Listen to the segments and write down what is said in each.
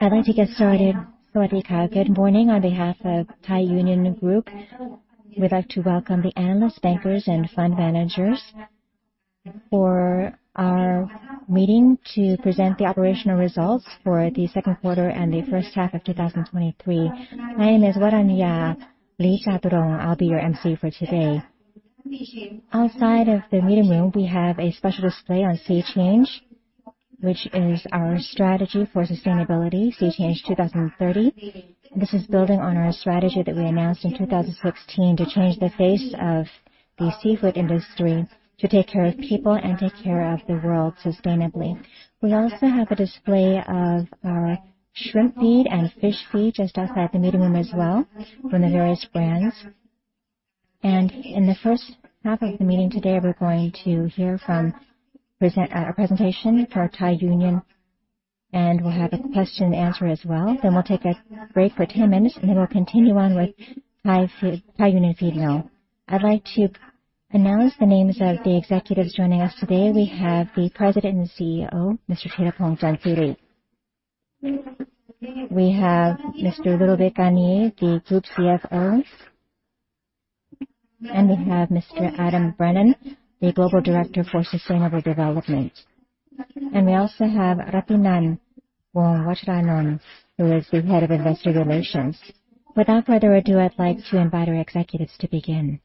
I'd like to get started. Good morning on behalf of Thai Union Group. We'd like to welcome the analysts, bankers, and fund managers for our meeting to present the operational results for the second quarter and the first half of 2023. My name is Waranaya Lee Vaturong. I'll be your MC for today. Outside of the meeting room, we have a special display on SeaChange, which is our strategy for sustainability, SeaChange 2030. This is building on our strategy that we announced in 2016 to change the face of the seafood industry, to take care of people and take care of the world sustainably. We also have a display of our shrimp feed and fish feed just outside the meeting room as well, from the various brands. In the first half of the meeting today, we're going to hear from a presentation for Thai Union, and we'll have a question and answer as well. We'll take a break for 10 minutes, and then we'll continue on with Thai Union Feedmill. I'd like to announce the names of the executives joining us today. We have the President and CEO, Mr. Thipong Dunshiri. We have Mr. Ludovic Garnier, the Group CFO, and we have Mr. Adam Brennan, the Global Director for Sustainable Development. We also have Ratinan Wongwachananon, who is the Head of Investor Relations. Without further ado, I'd like to invite our executives to begin.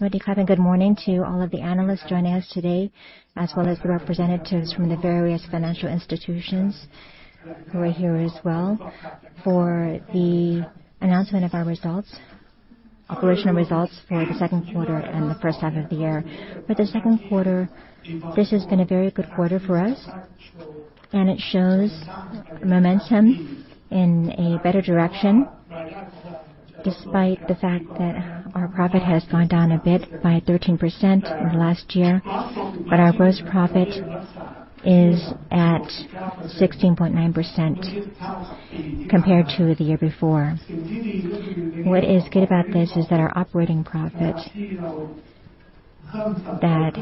Sawasdee Ka, good morning to all of the analysts joining us today, as well as the representatives from the various financial institutions who are here as well for the announcement of our results, operational results for the second quarter and the first half of the year. For the second quarter, this has been a very good quarter for us. It shows momentum in a better direction, despite the fact that our profit has gone down a bit by 13% in the last year. Our gross profit is at 16.9% compared to the year before. What is good about this is that our operating profit that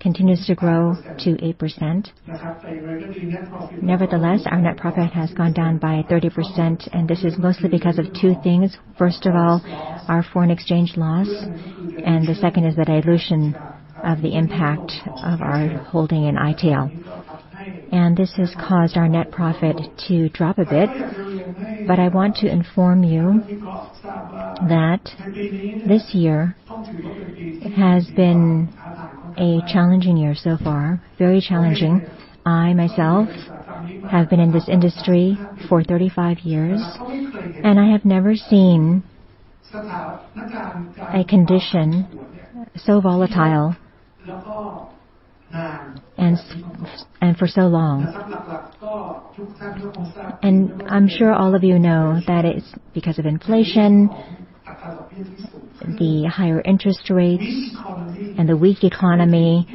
continues to grow to 8%. Nevertheless, our net profit has gone down by 30%. This is mostly because of two things. First of all, our foreign exchange loss. The second is the dilution of the impact of our holding in i-Tail. This has caused our net profit to drop a bit, but I want to inform you that this year has been a challenging year so far. Very challenging. I myself, have been in this industry for 35 years. I have never seen a condition so volatile and for so long. I'm sure all of you know that it's because of inflation, the higher interest rates and the weak economy,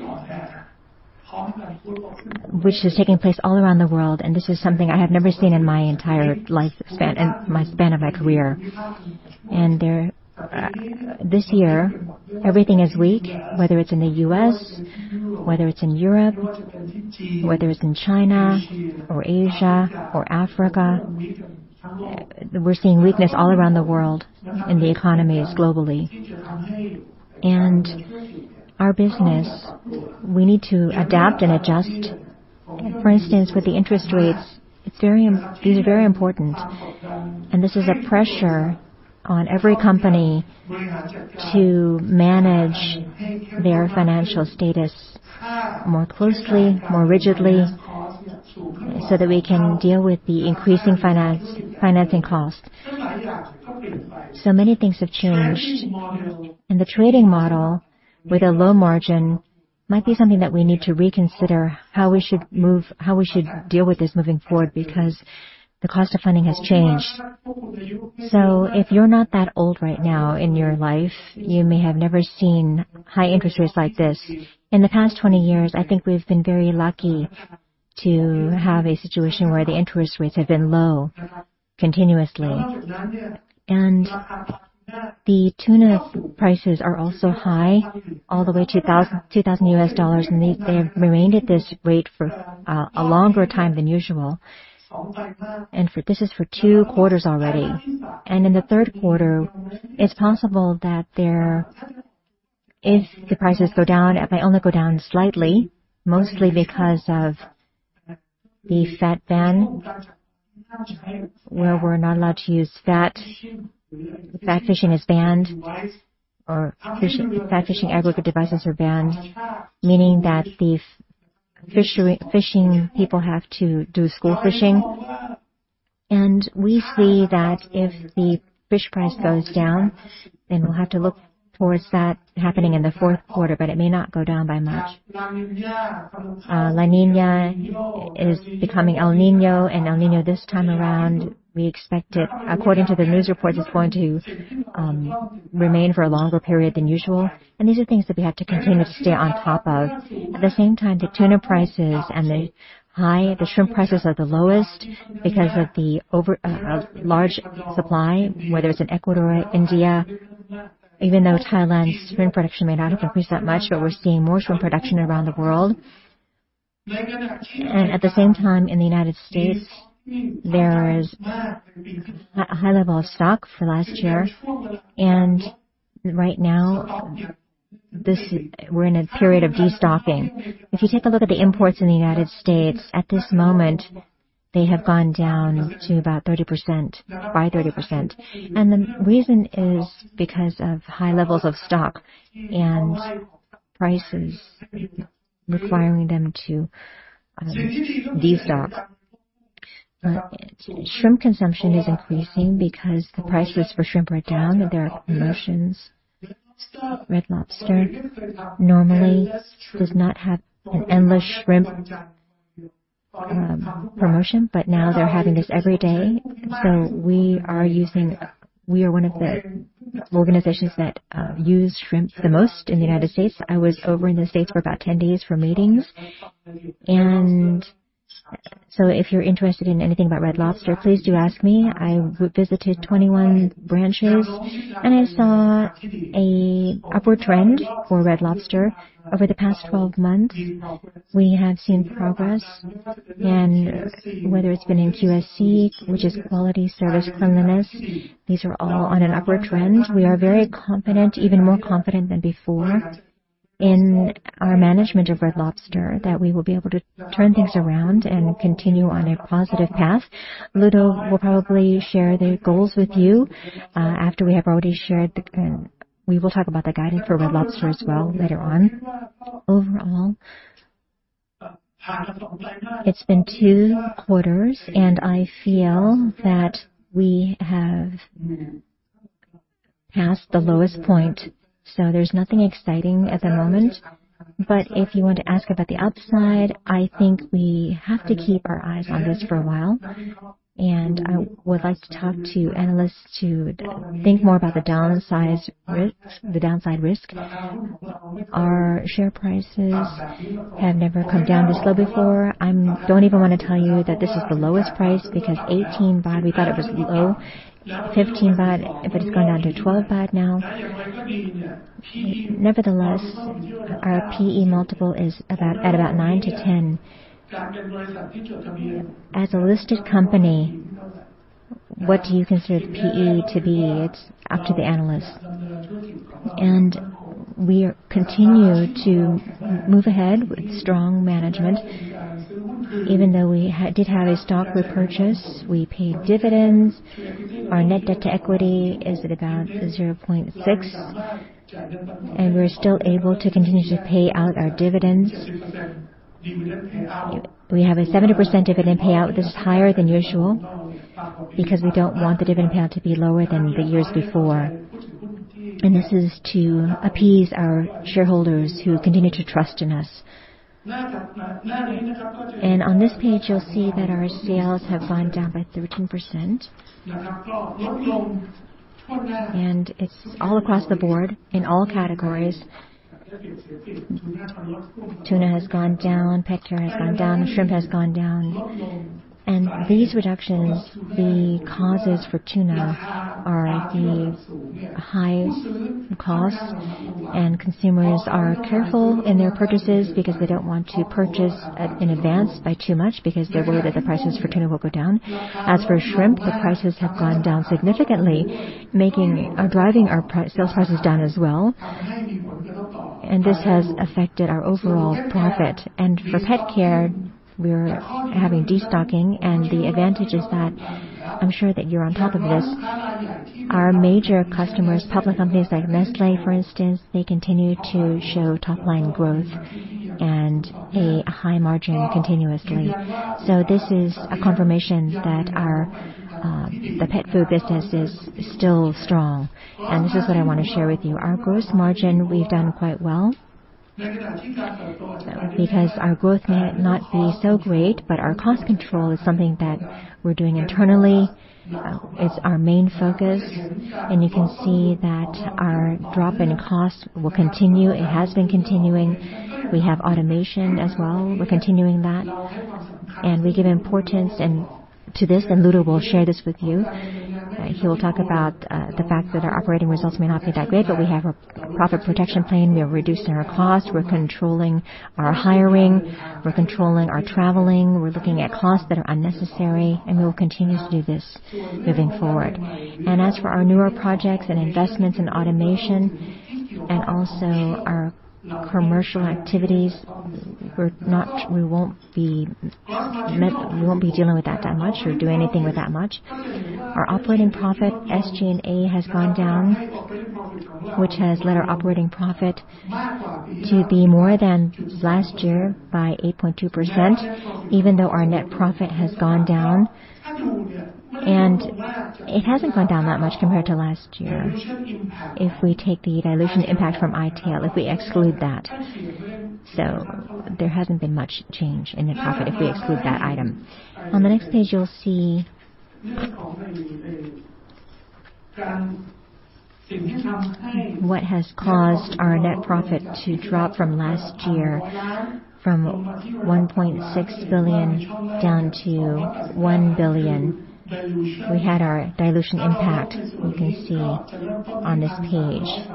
which is taking place all around the world, and this is something I have never seen in my entire life span and my span of my career. There, this year, everything is weak, whether it's in the U.S., whether it's in Europe, whether it's in China or Asia or Africa. We're seeing weakness all around the world in the economies globally. Our business, we need to adapt and adjust. For instance, with the interest rates, it's very, these are very important, and this is a pressure on every company to manage their financial status more closely, more rigidly, so that we can deal with the increasing finance, financing costs. Many things have changed, and the trading model with a low margin might be something that we need to reconsider, how we should move, how we should deal with this moving forward, because the cost of funding has changed. If you're not that old right now in your life, you may have never seen high interest rates like this. In the past 20 years, I think we've been very lucky to have a situation where the interest rates have been low continuously. The tuna prices are also high, all the way to $2,000 US dollars, and they have remained at this rate for a longer time than usual. This is for two quarters already. In the 3rd quarter, it's possible that there, if the prices go down, it may only go down slightly, mostly because of the FAD ban, where we're not allowed to use FAD. FAD fishing is banned or FAD fishing aggregate devices are banned, meaning that these fishing people have to do school fishing. We see that if the fish price goes down, then we'll have to look towards that happening in the 4th quarter, but it may not go down by much. La Niña is becoming El Niño, and El Niño this time around, we expect it, according to the news reports, is going to remain for a longer period than usual. These are things that we have to continue to stay on top of. At the same time, the tuna prices and the high, the shrimp prices are the lowest because of the over large supply, whether it's in Ecuador, India-... Even though Thailand's shrimp production may not increase that much, but we're seeing more shrimp production around the world. At the same time, in the United States, there is a, a high level of stock for last year, and right now, we're in a period of destocking. If you take a look at the imports in the United States, at this moment, they have gone down to about 30%, by 30%. The reason is because of high levels of stock and prices requiring them to destock. Shrimp consumption is increasing because the prices for shrimp are down, and there are promotions. Red Lobster normally does not have an Endless Shrimp promotion, but now they're having this every day. We are one of the organizations that use shrimp the most in the United States. I was over in the States for about 10 days for meetings, and so if you're interested in anything about Red Lobster, please do ask me. I visited 21 branches, and I saw a upward trend for Red Lobster. Over the past 12 months, we have seen progress, and whether it's been in QSC, which is quality, service, cleanliness, these are all on an upward trend. We are very confident, even more confident than before, in our management of Red Lobster, that we will be able to turn things around and continue on a positive path. Ludo will probably share the goals with you, after we have already shared the... We will talk about the guidance for Red Lobster as well later on. Overall, it's been two quarters, and I feel that we have passed the lowest point, so there's nothing exciting at the moment. If you want to ask about the upside, I think we have to keep our eyes on this for a while, and I would like to talk to analysts to think more about the downside risk, the downside risk. Our share prices have never come down this low before. Don't even want to tell you that this is the lowest price, because 18 baht, we thought it was low. 15 baht, but it's gone down to 12 baht now. Nevertheless, our PE multiple is about, at about nine-10. As a listed company, what do you consider the PE to be? It's up to the analyst. We continue to move ahead with strong management. Even though we did have a stock repurchase, we paid dividends. Our net debt to equity is at about 0.6, and we're still able to continue to pay out our dividends. We have a 70% dividend payout. This is higher than usual because we don't want the dividend payout to be lower than the years before. This is to appease our shareholders who continue to trust in us. On this page, you'll see that our sales have gone down by 13%. It's all across the board in all categories. Tuna has gone down, pet care has gone down, and shrimp has gone down. These reductions, the causes for tuna are the high cost, and consumers are careful in their purchases because they don't want to purchase in advance by too much, because they're worried that the prices for tuna will go down. As for shrimp, the prices have gone down significantly, making or driving our price, sales prices down as well, and this has affected our overall profit. For pet care, we're having destocking, and the advantage is that I'm sure that you're on top of this. Our major customers, public companies like Nestlé, for instance, they continue to show top-line growth and a high margin continuously. This is a confirmation that our, the pet food business is still strong, and this is what I want to share with you. Our gross margin, we've done quite well. Our growth may not be so great, but our cost control is something that we're doing internally. It's our main focus, and you can see that our drop in costs will continue. It has been continuing. We have automation as well. We're continuing that, and we give importance and to this, and Ludo will share this with you. He will talk about, the fact that our operating results may not be that great, but we have a profit protection plan. We are reducing our costs, we're controlling our hiring, we're controlling our traveling. We're looking at costs that are unnecessary, and we will continue to do this moving forward. As for our newer projects and investments in automation and also our commercial activities, we won't be dealing with that, that much or doing anything with that much. Our operating profit, SG&A, has gone down, which has led our operating profit to be more than last year by 8.2%, even though our net profit has gone down, and it hasn't gone down that much compared to last year. If we take the dilution impact from i-Tail, if we exclude that, there hasn't been much change in the profit if we exclude that item. On the next page, you'll see what has caused our net profit to drop from last year, from 1.6 billion down to 1 billion. We had our dilution impact, you can see on this page.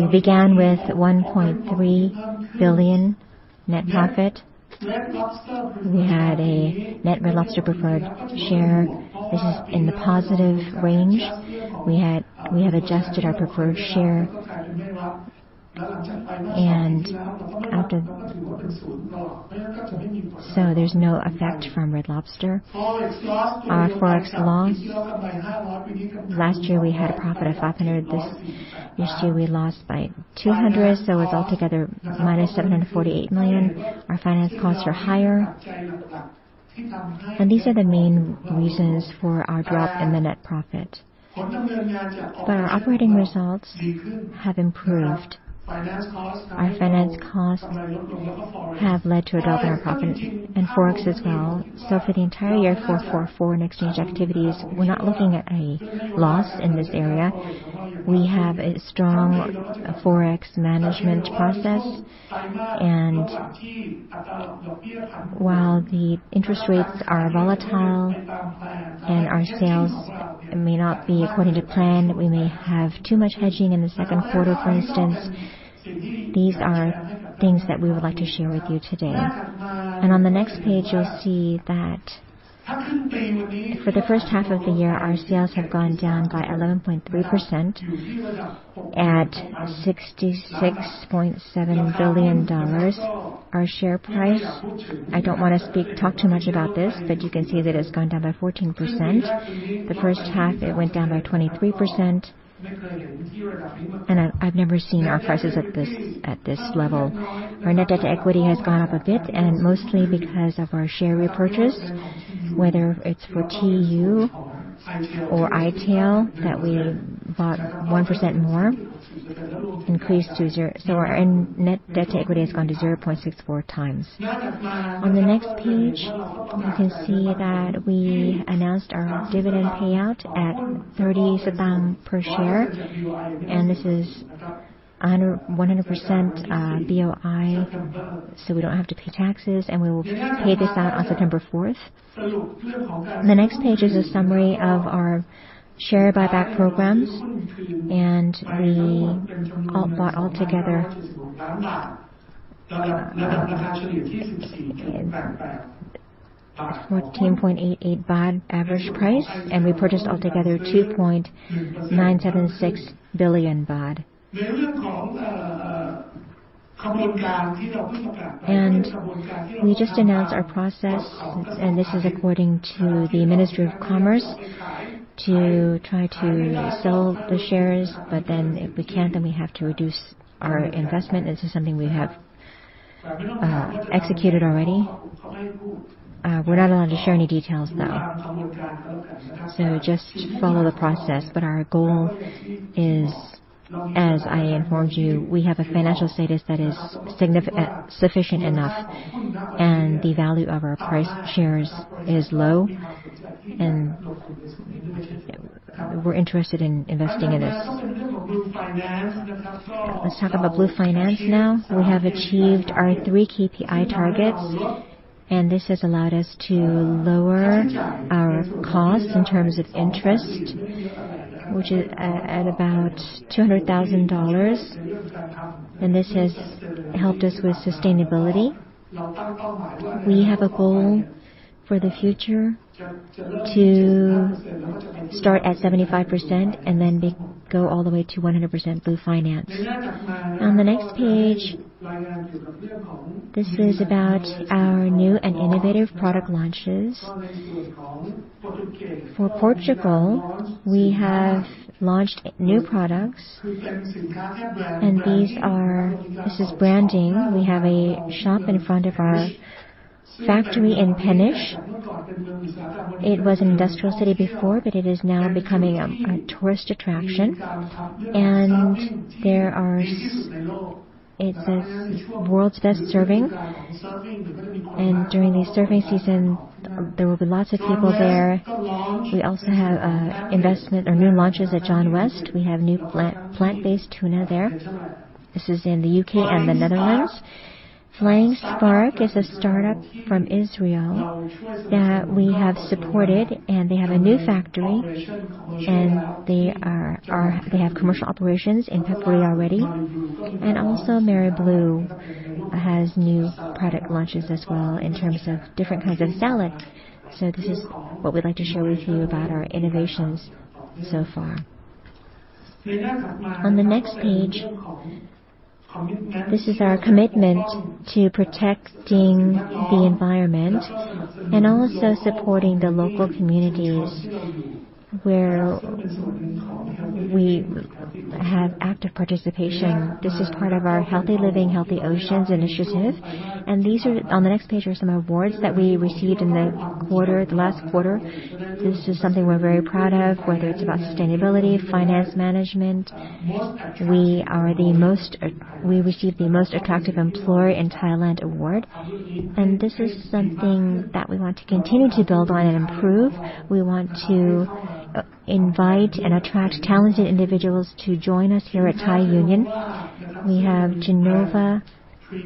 We began with 1.3 billion net profit. We had a net Red Lobster preferred share, which is in the positive range. We have adjusted our preferred share. After so there's no effect from Red Lobster. Our Forex loss, last year we had a profit of 500, this year we lost by 200, so it's all together minus 748 million. Our finance costs are higher, and these are the main reasons for our drop in the net profit. Our operating results have improved. Our finance costs have led to a drop in our profit and Forex as well. For the entire year, for foreign exchange activities, we're not looking at a loss in this area. We have a strong Forex management process, and while the interest rates are volatile and our sales may not be according to plan, we may have too much hedging in the second quarter, for instance. These are things that we would like to share with you today. On the next page, you'll see that for the first half of the year, our sales have gone down by 11.3% at $66.7 billion. Our share price, I don't want to speak, talk too much about this, but you can see that it's gone down by 14%. The first half, it went down by 23%, and I've never seen our prices at this, at this level. Our net debt to equity has gone up a bit, mostly because of our share repurchase, whether it's for TU or i-Tail, that we bought 1% more, increased to zero. Our end net debt to equity has gone to 0.64 times. On the next page, you can see that we announced our dividend payout at 30 satang per share, this is under 100% BOI, so we don't have to pay taxes, we will pay this out on September fourth. The next page is a summary of our share buyback programs, we all bought altogether 14.88 baht average price, we purchased altogether 2.976 billion baht. We just announced our process, and this is according to the Ministry of Commerce, to try to sell the shares, but then if we can't, then we have to reduce our investment. This is something we have executed already. We're not allowed to share any details, though. Just follow the process. Our goal is, as I informed you, we have a financial status that is sufficient enough, and the value of our price shares is low, and we're interested in investing in this. Let's talk about Blue Finance now. We have achieved our 3 KPI targets, and this has allowed us to lower our costs in terms of interest, which is about $200,000, and this has helped us with sustainability. We have a goal for the future to start at 75% and then make... Go all the way to 100% Blue Finance. The next page, this is about our new and innovative product launches. For Portugal, we have launched new products, and these are. This is branding. We have a shop in front of our factory in Peniche. It was an industrial city before, but it is now becoming a tourist attraction, and it says, "World's best surfing." During the surfing season, there will be lots of people there. We also have investment or new launches at John West. We have new plant, plant-based tuna there. This is in the U.K. and the Netherlands. Flying Spark is a startup from Israel that we have supported, and they have a new factory, and they are, they have commercial operations in Papua already. Also, Mareblu has new product launches as well in terms of different kinds of salad. This is what we'd like to share with you about our innovations so far. On the next page, this is our commitment to protecting the environment and also supporting the local communities where we have active participation. This is part of our Healthy Living, Healthy Oceans initiative, and these are, on the next page, are some awards that we received in the quarter, the last quarter. This is something we're very proud of, whether it's about sustainability, finance management. We received the Most Attractive Employer in Thailand award, and this is something that we want to continue to build on and improve. We want to invite and attract talented individuals to join us here at Thai Union. We have Genova,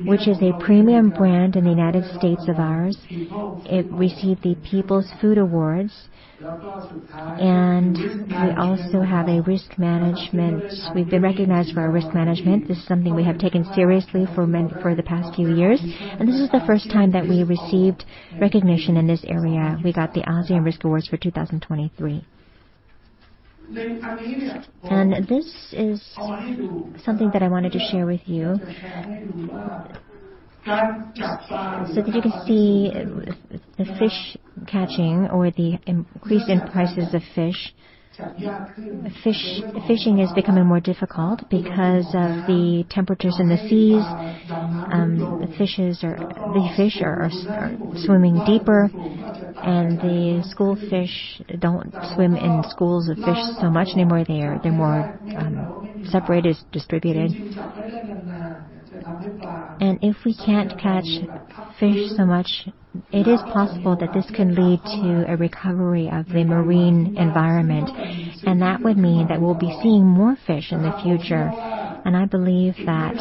which is a premium brand in the United States of ours. It received the PEOPLE's Food Awards, and we also have a risk management. We've been recognized for our risk management. This is something we have taken seriously for the past few years, and this is the first time that we received recognition in this area. We got the ASEAN Risk Awards 2023. This is something that I wanted to share with you. That you can see the fish catching or the increase in prices of fish. Fishing is becoming more difficult because of the temperatures in the seas. The fish are swimming deeper, and the school fish don't swim in schools of fish so much anymore. They are, they're more separated, distributed. If we can't catch fish so much, it is possible that this could lead to a recovery of the marine environment, and that would mean that we'll be seeing more fish in the future. I believe that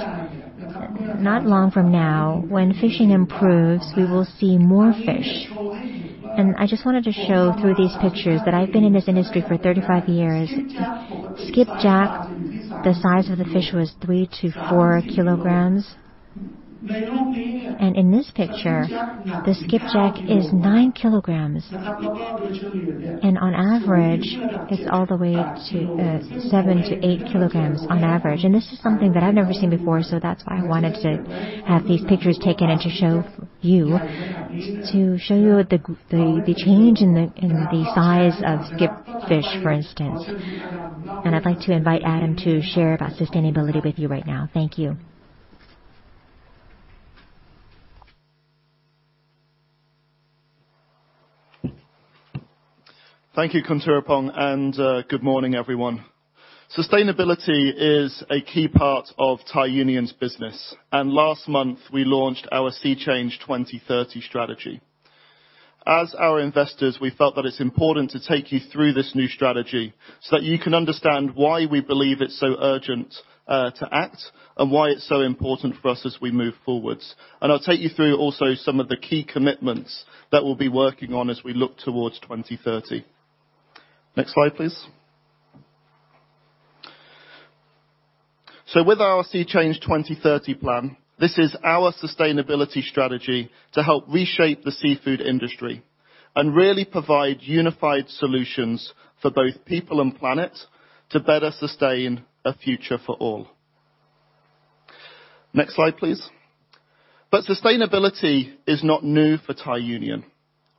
not long from now, when fishing improves, we will see more fish. I just wanted to show through these pictures that I've been in this industry for 35 years. Skipjack, the size of the fish was 3 kg-4 kg. In this picture, the Skipjack is 9 kilograms, and on average, it's all the way to 7 kilograms-8 kilograms on average. This is something that I've never seen before, so that's why I wanted to have these pictures taken and to show you, to show you the, the change in the, in the size of Skipjack, for instance. I'd like to invite Adam to share about sustainability with you right now. Thank you. Thank you, Kantarapong, good morning, everyone. Sustainability is a key part of Thai Union's business, last month, we launched our SeaChange 2030 strategy. As our investors, we felt that it's important to take you through this new strategy so that you can understand why we believe it's so urgent to act and why it's so important for us as we move forwards. I'll take you through also some of the key commitments that we'll be working on as we look towards 2030. Next slide, please. With our SeaChange 2030 plan, this is our sustainability strategy to help reshape the seafood industry and really provide unified solutions for both people and planet to better sustain a future for all. Next slide, please. Sustainability is not new for Thai Union.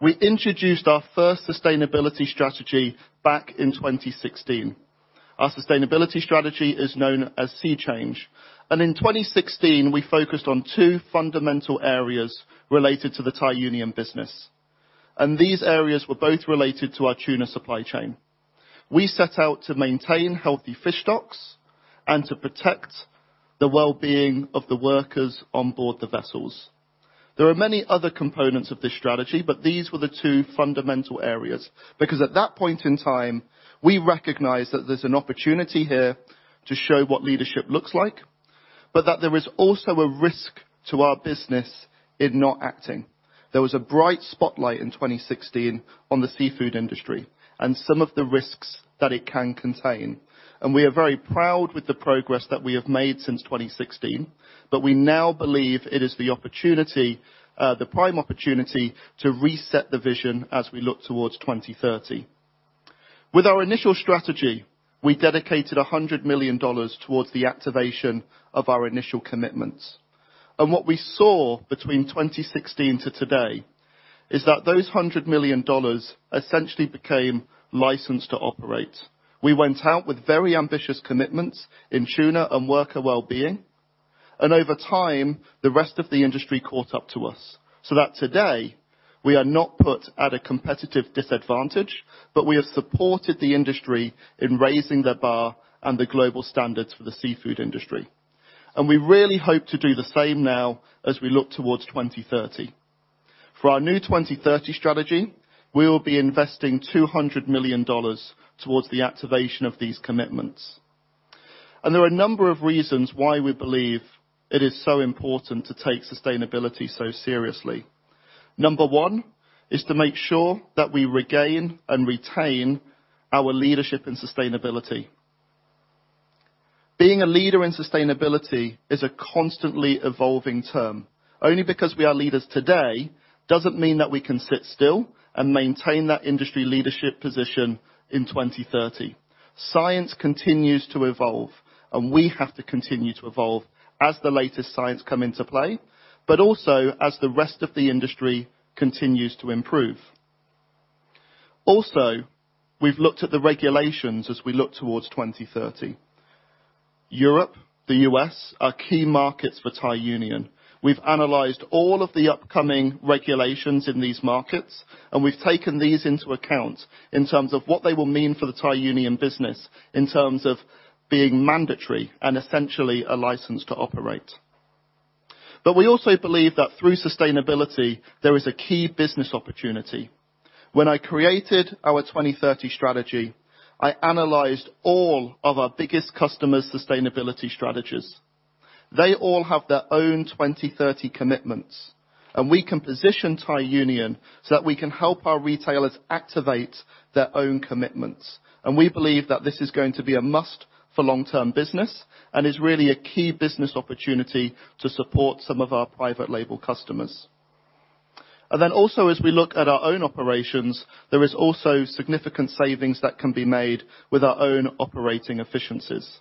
We introduced our first sustainability strategy back in 2016. Our sustainability strategy is known as SeaChange. In 2016, we focused on two fundamental areas related to the Thai Union business. These areas were both related to our tuna supply chain. We set out to maintain healthy fish stocks and to protect the well-being of the workers on board the vessels. There are many other components of this strategy. These were the two fundamental areas because at that point in time, we recognized that there's an opportunity here to show what leadership looks like. That there is also a risk to our business in not acting. There was a bright spotlight in 2016 on the seafood industry and some of the risks that it can contain. We are very proud with the progress that we have made since 2016, but we now believe it is the opportunity, the prime opportunity to reset the vision as we look towards 2030. With our initial strategy, we dedicated $100 million towards the activation of our initial commitments. What we saw between 2016 to today is that those $100 million essentially became license to operate. We went out with very ambitious commitments in tuna and worker well-being. Over time, the rest of the industry caught up to us, that today we are not put at a competitive disadvantage. We have supported the industry in raising the bar and the global standards for the seafood industry. We really hope to do the same now as we look towards 2030. For our new 2030 strategy, we will be investing $200 million towards the activation of these commitments. There are a number of reasons why we believe it is so important to take sustainability so seriously. Number one is to make sure that we regain and retain our leadership in sustainability. Being a leader in sustainability is a constantly evolving term. Only because we are leaders today, doesn't mean that we can sit still and maintain that industry leadership position in 2030. Science continues to evolve, and we have to continue to evolve as the latest science come into play, but also as the rest of the industry continues to improve. Also, we've looked at the regulations as we look towards 2030. Europe, the U.S., are key markets for Thai Union. We've analyzed all of the upcoming regulations in these markets, and we've taken these into account in terms of what they will mean for the Thai Union business, in terms of being mandatory and essentially a license to operate. We also believe that through sustainability, there is a key business opportunity. When I created our 2030 strategy, I analyzed all of our biggest customers' sustainability strategies. They all have their own 2030 commitments, and we can position Thai Union so that we can help our retailers activate their own commitments. We believe that this is going to be a must for long-term business and is really a key business opportunity to support some of our private label customers... Then also, as we look at our own operations, there is also significant savings that can be made with our own operating efficiencies.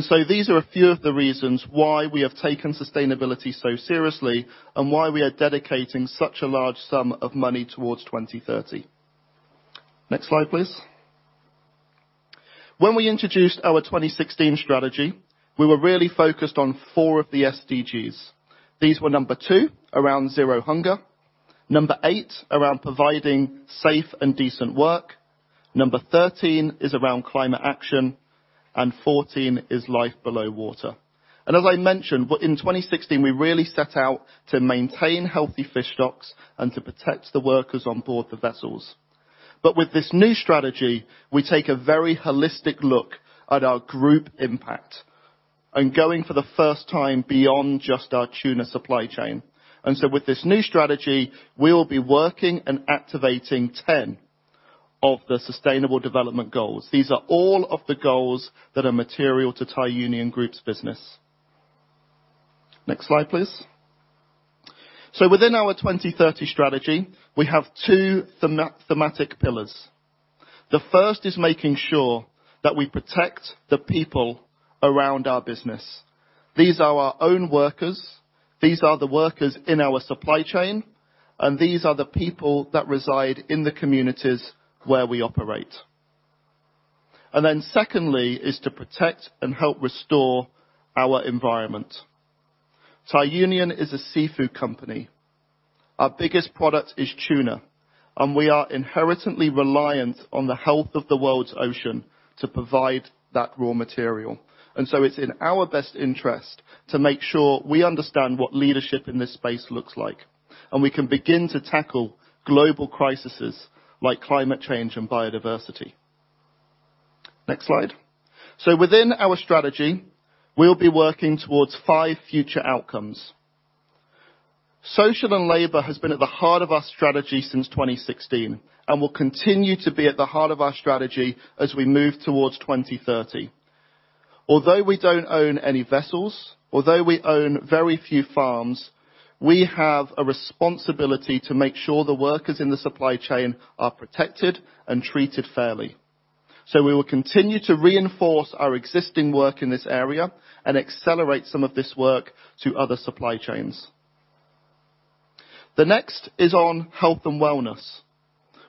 So these are a few of the reasons why we have taken sustainability so seriously, and why we are dedicating such a large sum of money towards 2030. Next slide, please. When we introduced our 2016 strategy, we were really focused on four of the SDGs. These were number two, around zero hunger; number eight, around providing safe and decent work; number 13 is around climate action; and 14 is life below water. As I mentioned, in 2016, we really set out to maintain healthy fish stocks and to protect the workers on board the vessels. With this new strategy, we take a very holistic look at our group impact, and going for the first time beyond just our tuna supply chain. With this new strategy, we will be working and activating 10 of the sustainable development goals. These are all of the goals that are material to Thai Union Group's business. Next slide, please. Within our 2030 strategy, we have two thematic pillars. The first is making sure that we protect the people around our business. These are our own workers, these are the workers in our supply chain, and these are the people that reside in the communities where we operate. Then secondly, is to protect and help restore our environment. Thai Union is a seafood company. Our biggest product is tuna. We are inherently reliant on the health of the world's ocean to provide that raw material. It's in our best interest to make sure we understand what leadership in this space looks like, and we can begin to tackle global crises like climate change and biodiversity. Next slide. Within our strategy, we'll be working towards five future outcomes. Social and labor has been at the heart of our strategy since 2016, and will continue to be at the heart of our strategy as we move towards 2030. Although we don't own any vessels, although we own very few farms, we have a responsibility to make sure the workers in the supply chain are protected and treated fairly. We will continue to reinforce our existing work in this area and accelerate some of this work to other supply chains. The next is on health and wellness.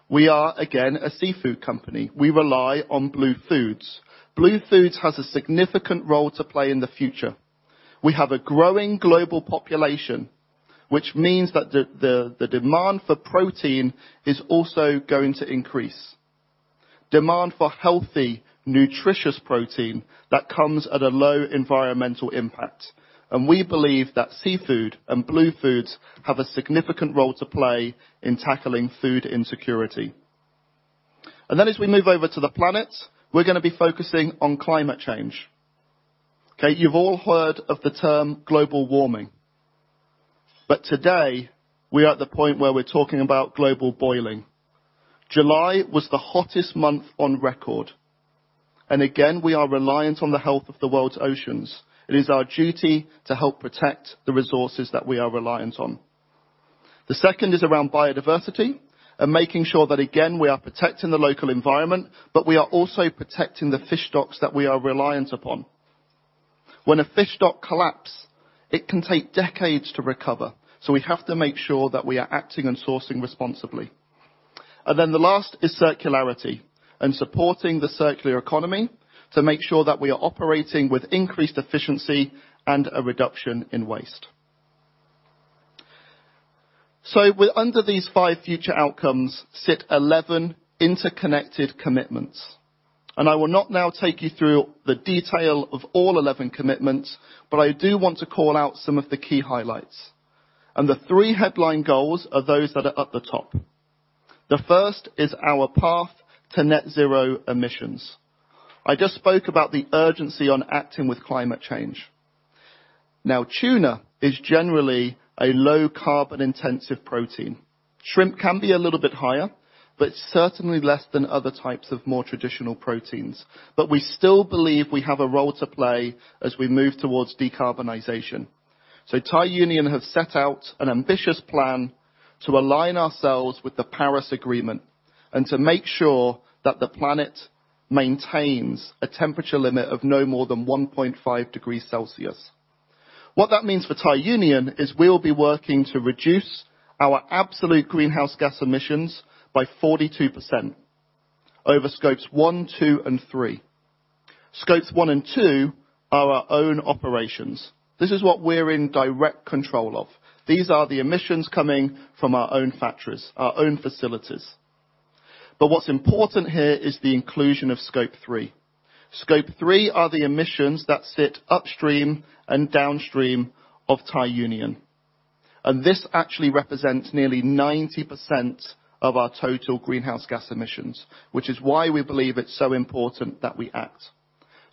We are, again, a seafood company. We rely on blue foods. Blue foods has a significant role to play in the future. We have a growing global population, which means that the demand for protein is also going to increase. Demand for healthy, nutritious protein that comes at a low environmental impact, and we believe that seafood and blue foods have a significant role to play in tackling food insecurity. Then as we move over to the planet, we're gonna be focusing on climate change. Okay, you've all heard of the term global warming, but today, we are at the point where we're talking about global boiling. July was the hottest month on record, and again, we are reliant on the health of the world's oceans. It is our duty to help protect the resources that we are reliant on. The second is around biodiversity and making sure that, again, we are protecting the local environment, but we are also protecting the fish stocks that we are reliant upon. When a fish stock collapse, it can take decades to recover, we have to make sure that we are acting and sourcing responsibly. The last is circularity, and supporting the circular economy to make sure that we are operating with increased efficiency and a reduction in waste. With under these 5 future outcomes, sit 11 interconnected commitments, and I will not now take you through the detail of all 11 commitments, but I do want to call out some of the key highlights. The three headline goals are those that are at the top. The first is our path to net zero emissions. I just spoke about the urgency on acting with climate change. Now, tuna is generally a low carbon-intensive protein. Shrimp can be a little bit higher, but certainly less than other types of more traditional proteins. We still believe we have a role to play as we move towards decarbonization. Thai Union have set out an ambitious plan to align ourselves with the Paris Agreement, and to make sure that the planet maintains a temperature limit of no more than 1.5 degrees Celsius. What that means for Thai Union is we'll be working to reduce our absolute greenhouse gas emissions by 42% over scopes 1, 2, and 3. Scopes 1 and 2 are our own operations. This is what we're in direct control of. These are the emissions coming from our own factories, our own facilities. What's important here is the inclusion of scope 3. Scope three are the emissions that sit upstream and downstream of Thai Union. This actually represents nearly 90% of our total greenhouse gas emissions, which is why we believe it's so important that we act.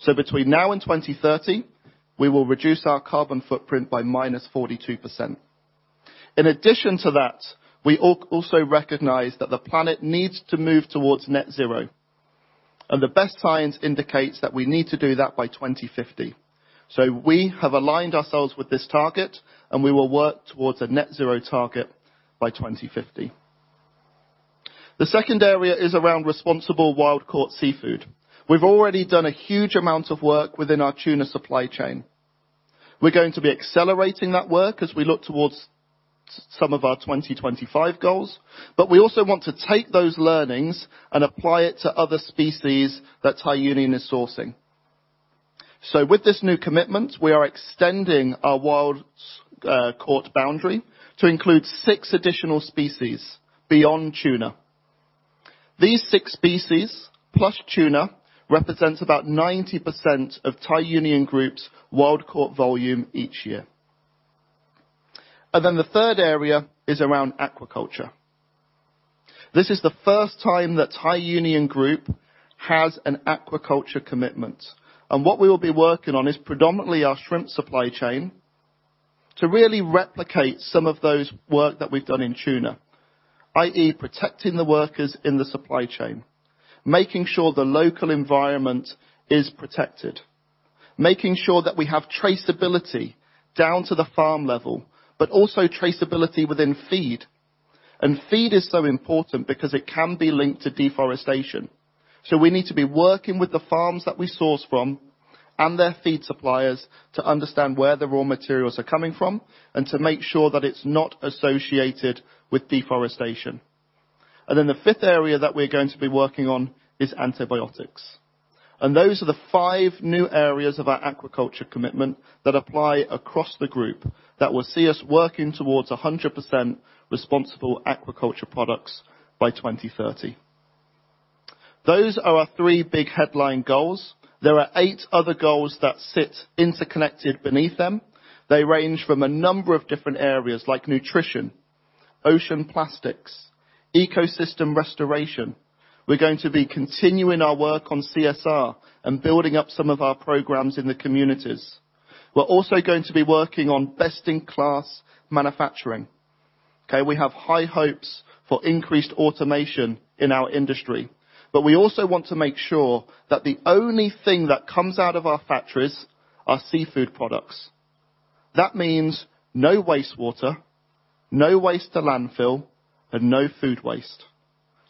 Between now and 2030, we will reduce our carbon footprint by -42%. In addition to that, we also recognize that the planet needs to move towards net zero. The best science indicates that we need to do that by 2050. We have aligned ourselves with this target, and we will work towards a net zero target by 2050. The second area is around responsible wild-caught seafood. We've already done a huge amount of work within our tuna supply chain. We're going to be accelerating that work as we look towards some of our 2025 goals, but we also want to take those learnings and apply it to other species that Thai Union is sourcing. With this new commitment, we are extending our wild caught boundary to include 6 additional species beyond tuna. These six species, plus tuna, represents about 90% of Thai Union Group's wild-caught volume each year. Then the third area is around aquaculture. This is the first time that Thai Union Group has an aquaculture commitment, and what we will be working on is predominantly our shrimp supply chain, to really replicate some of those work that we've done in tuna, i.e., protecting the workers in the supply chain, making sure the local environment is protected, making sure that we have traceability down to the farm level, but also traceability within feed. Feed is so important because it can be linked to deforestation. We need to be working with the farms that we source from and their feed suppliers to understand where the raw materials are coming from, and to make sure that it's not associated with deforestation. Then the fifth area that we're going to be working on is antibiotics. Those are the five new areas of our aquaculture commitment that apply across the group, that will see us working towards 100% responsible aquaculture products by 2030. Those are our three big headline goals. There are eight other goals that sit interconnected beneath them. They range from a number of different areas like nutrition, ocean plastics, ecosystem restoration. We're going to be continuing our work on CSR and building up some of our programs in the communities. We're also going to be working on best-in-class manufacturing. Okay? We have high hopes for increased automation in our industry, we also want to make sure that the only thing that comes out of our factories are seafood products. That means no wastewater, no waste to landfill, and no food waste.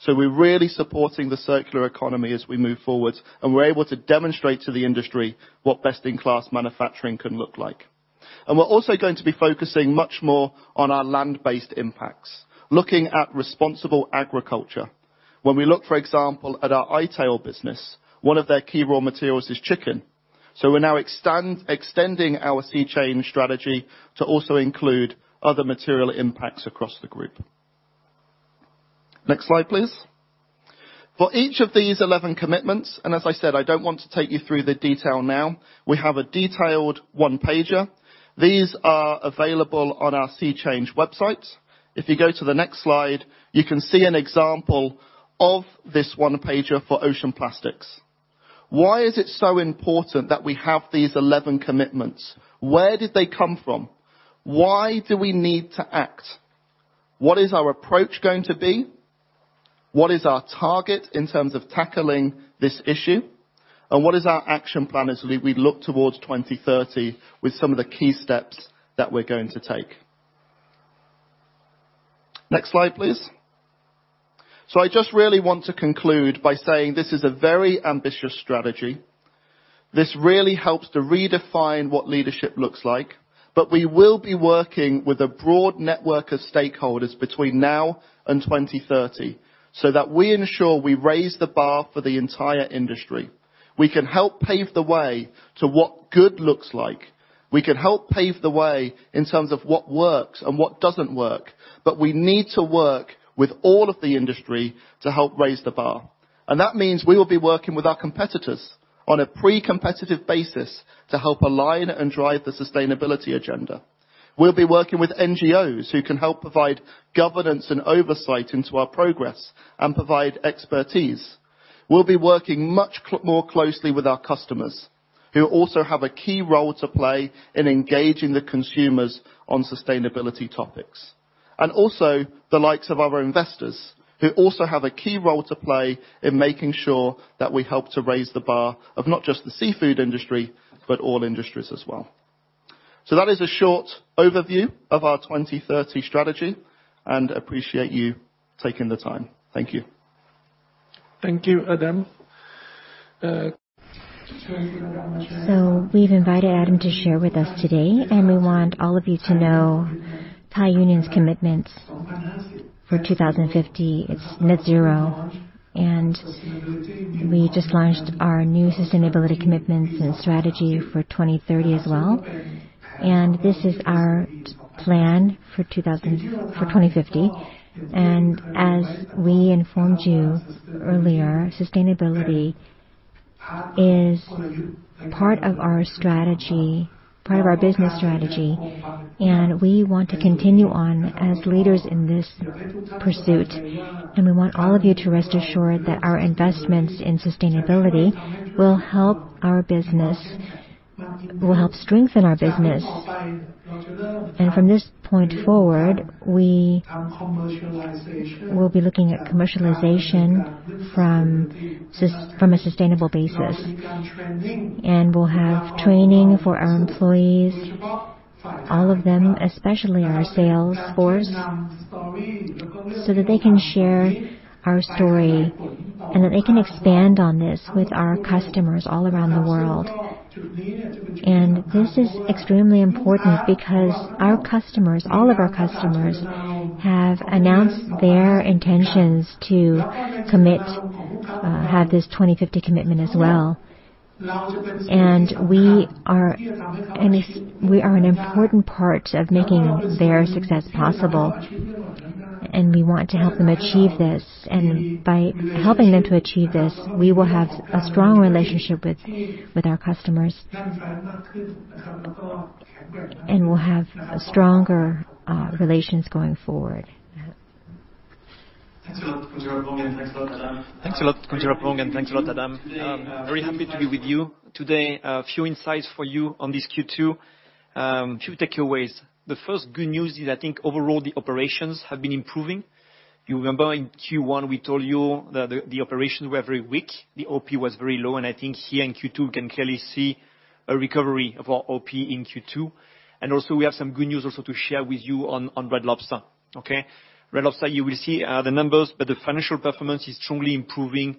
We're really supporting the circular economy as we move forward, and we're able to demonstrate to the industry what best-in-class manufacturing can look like. We're also going to be focusing much more on our land-based impacts, looking at responsible agriculture. When we look, for example, at our i-Tail business, one of their key raw materials is chicken, we're now extending our SeaChange strategy to also include other material impacts across the group. Next slide, please. For each of these 11 commitments, as I said, I don't want to take you through the detail now, we have a detailed one-pager. These are available on our SeaChange website. If you go to the next slide, you can see an example of this one-pager for ocean plastics. Why is it so important that we have these 11 commitments? Where did they come from? Why do we need to act? What is our approach going to be? What is our target in terms of tackling this issue? What is our action plan as we look towards 2030, with some of the key steps that we're going to take? Next slide, please. I just really want to conclude by saying this is a very ambitious strategy. This really helps to redefine what leadership looks like, but we will be working with a broad network of stakeholders between now and 2030, so that we ensure we raise the bar for the entire industry. We can help pave the way to what good looks like. We can help pave the way in terms of what works and what doesn't work, but we need to work with all of the industry to help raise the bar. That means we will be working with our competitors on a pre-competitive basis to help align and drive the sustainability agenda. We'll be working with NGOs, who can help provide governance and oversight into our progress and provide expertise. We'll be working much more closely with our customers, who also have a key role to play in engaging the consumers on sustainability topics. Also, the likes of our investors, who also have a key role to play in making sure that we help to raise the bar of not just the seafood industry, but all industries as well. That is a short overview of our 2030 strategy, and appreciate you taking the time. Thank you. Thank you, Adam. We've invited Adam to share with us today, and we want all of you to know Thai Union's commitments for 2050. It's net zero, we just launched our new sustainability commitments and strategy for 2030 as well. This is our plan for 2050, as we informed you earlier, sustainability is part of our strategy, part of our business strategy, we want to continue on as leaders in this pursuit. We want all of you to rest assured that our investments in sustainability will help our business will help strengthen our business. From this point forward, we will be looking at commercialization from a sustainable basis. We'll have training for our employees, all of them, especially our sales force, so that they can share our story and that they can expand on this with our customers all around the world. This is extremely important because our customers, all of our customers, have announced their intentions to commit, have this 2050 commitment as well. We are an important part of making their success possible, and we want to help them achieve this. By helping them to achieve this, we will have a strong relationship with, with our customers, and we'll have stronger relations going forward. Thanks a lot, Vaturong, thanks a lot, Adam. Very happy to be with you today. A few insights for you on this Q2. Few takeaways. The first good news is, I think overall, the operations have been improving. You remember in Q1, we told you that the, the operations were very weak, the OP was very low, and I think here in Q2, we can clearly see a recovery of our OP in Q2. Also we have some good news also to share with you on, on Red Lobster, okay? Red Lobster, you will see, the numbers, but the financial performance is strongly improving,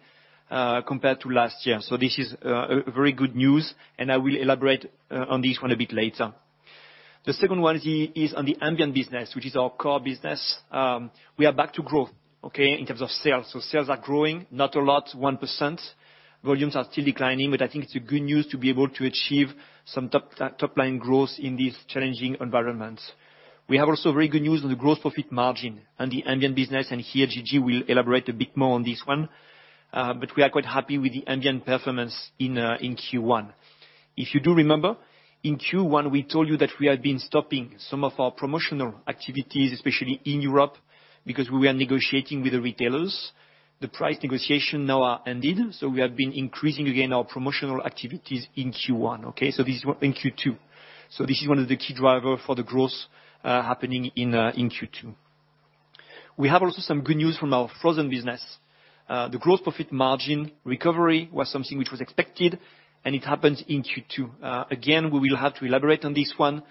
compared to last year. This is, a very good news, and I will elaborate, on this one a bit later. The second one is, is on the ambient business, which is our core business. We are back to growth, okay, in terms of sales. Sales are growing. Not a lot, 1%. Volumes are still declining, but I think it's a good news to be able to achieve some top, top line growth in this challenging environment. We have also very good news on the growth profit margin and the ambient business, and here, Gigi will elaborate a bit more on this one. We are quite happy with the ambient performance in Q1. If you do remember, in Q1, we told you that we had been stopping some of our promotional activities, especially in Europe, because we were negotiating with the retailers. The price negotiation now are ended, we have been increasing again our promotional activities in Q1. Okay, this is... In Q2. This is one of the key driver for the growth happening in Q2. We have also some good news from our frozen business. The gross profit margin recovery was something which was expected, and it happened in Q2. Again, we will have to elaborate on this one.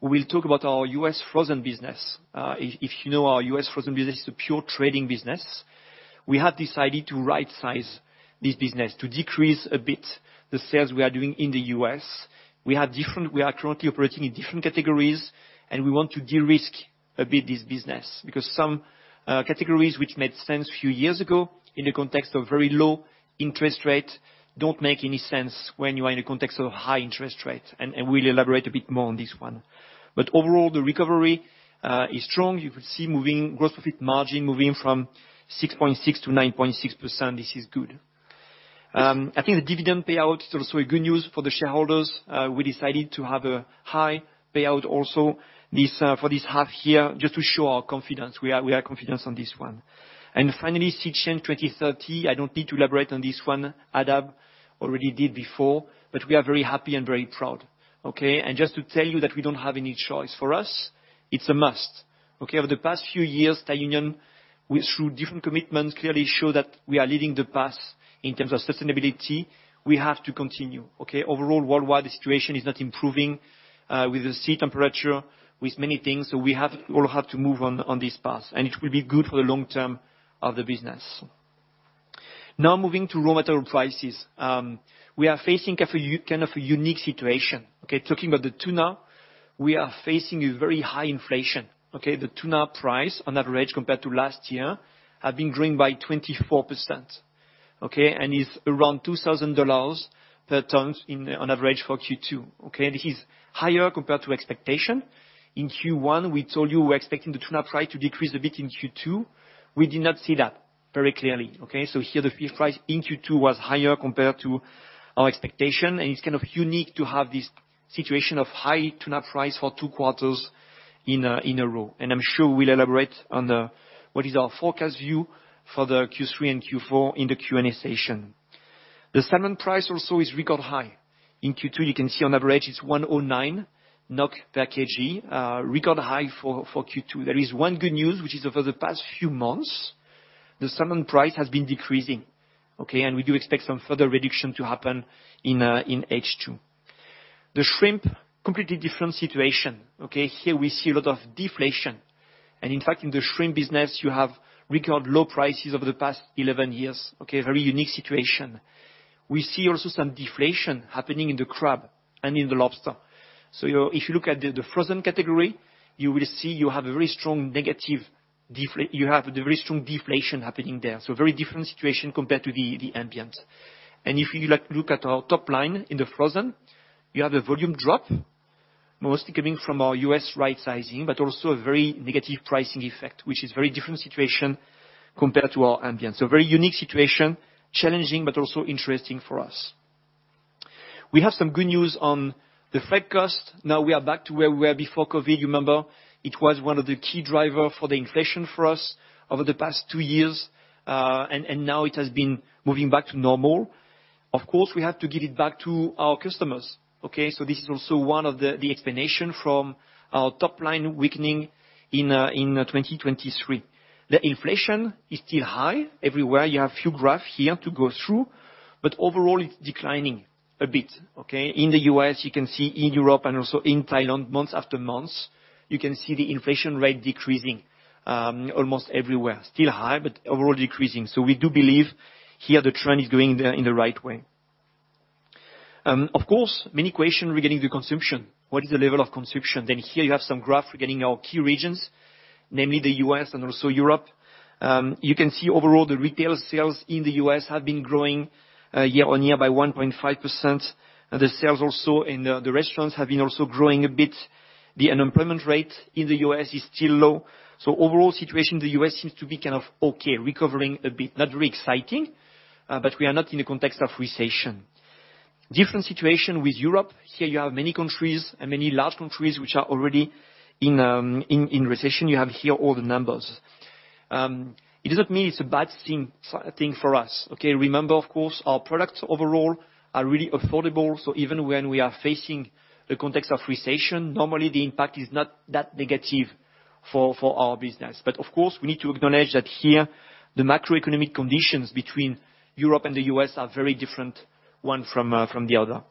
We will talk about our US frozen business. If, if you know, our US frozen business is a pure trading business. We have decided to rightsize this business, to decrease a bit the sales we are doing in the US. We are currently operating in different categories, and we want to de-risk a bit this business. Some categories which made sense a few years ago in the context of very low interest rate, don't make any sense when you are in a context of high interest rates, and we'll elaborate a bit more on this one. Overall, the recovery is strong. You could see moving, growth profit margin moving from 6.6% to 9.6%. This is good. I think the dividend payout is also a good news for the shareholders. We decided to have a high payout also, this for this half year, just to show our confidence. We have confidence on this one. Finally, SeaChange 2030. I don't need to elaborate on this one. Adam already did before, but we are very happy and very proud. Okay? Just to tell you that we don't have any choice. For us, it's a must, okay? Over the past few years, Thai Union, we, through different commitments, clearly show that we are leading the path in terms of sustainability. We have to continue, okay? Overall, worldwide, the situation is not improving with the sea temperature, with many things. We have- will have to move on, on this path, and it will be good for the long term of the business. Now, moving to raw material prices. We are facing kind of a unique situation, okay? Talking about the tuna, we are facing a very high inflation, okay? The tuna price, on average, compared to last year, have been growing by 24%, okay, and is around $2,000 per ton in, on average for Q2, okay? This is higher compared to expectation. In Q1, we told you we're expecting the tuna price to decrease a bit in Q2. We did not see that very clearly, okay? Here, the fish price in Q2 was higher compared to our expectation, and it's kind of unique to have this situation of high tuna price for two quarters in a, in a row. I'm sure we'll elaborate on what is our forecast view for the Q3 and Q4 in the Q&A session. The salmon price also is record high. In Q2, you can see on average it's 109 NOK per kg, record high for, for Q2. There is one good news, which is over the past few months, the salmon price has been decreasing, okay? We do expect some further reduction to happen in H2. The shrimp, completely different situation, okay? Here we see a lot of deflation. In fact, in the shrimp business, you have record low prices over the past 11 years, okay? Very unique situation. We see also some deflation happening in the crab and in the lobster. If you look at the, the frozen category, you will see you have a very strong negative, you have a very strong deflation happening there. Very different situation compared to the, the ambient. If you like, look at our top line in the frozen, you have a volume drop, mostly coming from our US rightsizing, but also a very negative pricing effect, which is very different situation compared to our ambient. A very unique situation, challenging, but also interesting for us. We have some good news. The freight cost, now we are back to where we were before COVID. You remember, it was one of the key driver for the inflation for us over the past two years, and now it has been moving back to normal. Of course, we have to give it back to our customers, okay? This is also one of the, the explanation from our top line weakening in 2023. The inflation is still high everywhere. You have a few graph here to go through, but overall, it's declining a bit, okay? In the U.S., you can see in Europe and also in Thailand, month after month, you can see the inflation rate decreasing almost everywhere. Still high, but overall decreasing. We do believe here the trend is going in the right way. Of course, main question regarding to consumption, what is the level of consumption? Here you have some graph regarding our key regions, namely the U.S. and also Europe. You can see overall, the retail sales in the U.S. have been growing, year-on-year by 1.5%. The sales also in the restaurants have been also growing a bit. The unemployment rate in the U.S. is still low. Overall situation in the U.S. seems to be kind of okay, recovering a bit. Not very exciting, but we are not in a context of recession. Different situation with Europe. Here you have many countries and many large countries which are already in recession. You have here all the numbers. It doesn't mean it's a bad thing for us, okay? Remember, of course, our products overall are really affordable, even when we are facing a context of recession, normally the impact is not that negative for, for our business. Of course, we need to acknowledge that here, the macroeconomic conditions between Europe and the US are very different, one from, from the other.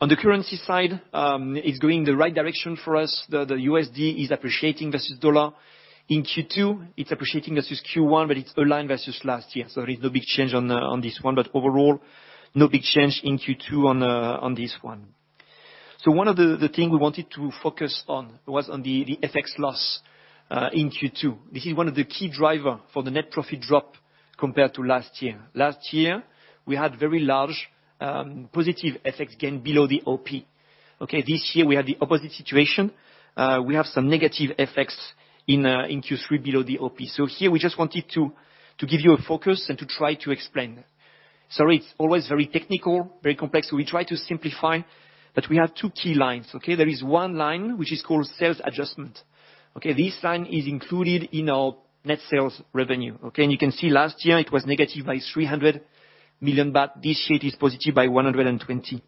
On the currency side, it's going the right direction for us. The USD is appreciating versus dollar. In Q2, it's appreciating versus Q1, but it's aligned versus last year, so there is no big change on this one, but overall, no big change in Q2 on this one. One of the, the thing we wanted to focus on was on the FX loss in Q2. This is one of the key driver for the net profit drop compared to last year. Last year, we had very large, positive FX gain below the OP, okay? This year, we had the opposite situation. We have some negative effects in Q3 below the OP. Here we just wanted to, to give you a focus and to try to explain. Sorry, it's always very technical, very complex, so we try to simplify, but we have two key lines, okay? There is one line, which is called sales adjustment, okay. This line is included in our net sales revenue, okay? You can see last year it was negative by 300 million baht, but this year it is positive by 120.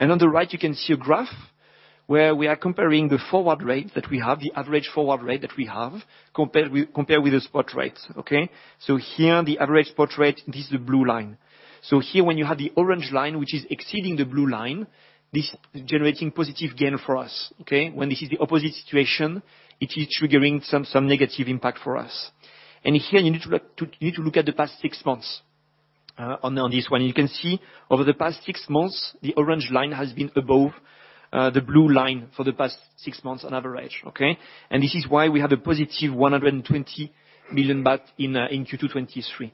On the right, you can see a graph where we are comparing the forward rate that we have, the average forward rate that we have, compared with- compare with the spot rate, okay? Here, the average spot rate, this is the blue line. Here, when you have the orange line, which is exceeding the blue line, this is generating positive gain for us. Okay? When this is the opposite situation, it is triggering some negative impact for us. Here, you need to look at the past six months on this one. You can see over the past sisix months, the orange line has been above the blue line for the past 6 months on average. Okay? This is why we have a positive 120 million baht in Q2 2023.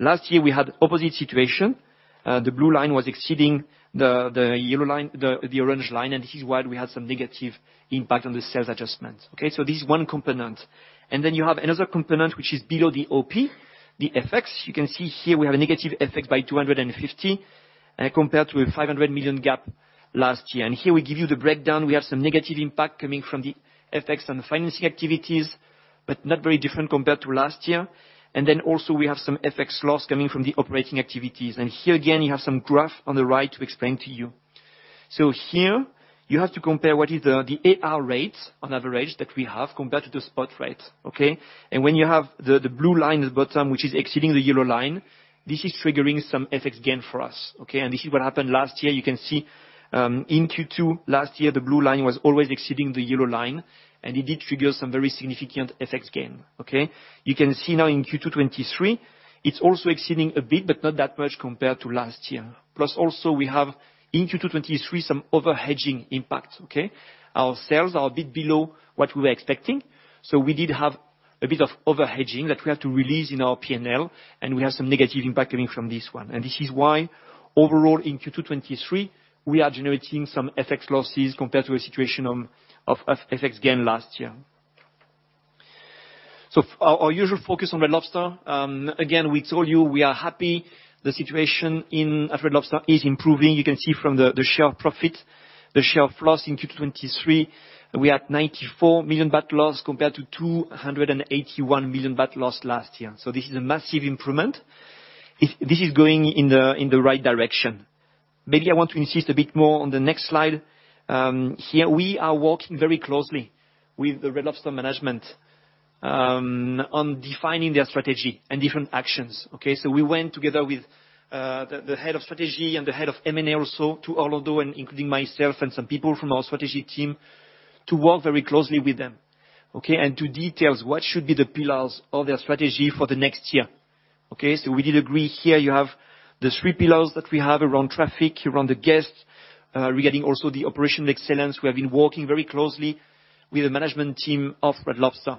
Last year, we had opposite situation. The blue line was exceeding the, the yellow line, the, the orange line, this is why we had some negative impact on the sales adjustment. Okay? This is one component. Then you have another component, which is below the OP, the FX. You can see here we have a negative effect by 250 million compared to a 500 million gap last year. Here we give you the breakdown. We have some negative impact coming from the FX and the financing activities, but not very different compared to last year. Then also, we have some FX loss coming from the operating activities. Here, again, you have some graph on the right to explain to you. Here you have to compare what is the AR rate on average that we have compared to the spot rate, okay? When you have the blue line at the bottom, which is exceeding the yellow line, this is triggering some FX gain for us, okay? This is what happened last year. You can see in Q2 last year, the blue line was always exceeding the yellow line, and it did trigger some very significant FX gain, okay? You can see now in Q2 23, it's also exceeding a bit, but not that much compared to last year. Plus, also, we have in Q2 23 some over-hedging impact, okay? Our sales are a bit below what we were expecting, so we did have a bit of over-hedging that we had to release in our P&L, and we have some negative impact coming from this one. This is why, overall, in Q2 23, we are generating some FX losses compared to a situation of FX gain last year. Our, our usual focus on Red Lobster, again, we told you we are happy. The situation in Red Lobster is improving. You can see from the share profit, the share of loss in Q23, we had 94 million baht loss, compared to 281 million baht loss last year. This is a massive improvement. This is going in the right direction. Maybe I want to insist a bit more on the next slide. Here we are working very closely with the Red Lobster management on defining their strategy and different actions. We went together with the head of strategy and the head of M&A also, to Orlando, and including myself and some people from our strategy team, to work very closely with them. To details what should be the pillars of their strategy for the next year. We did agree here. You have the 3 pillars that we have around traffic, around the guests, regarding also the operational excellence. We have been working very closely with the management team of Red Lobster.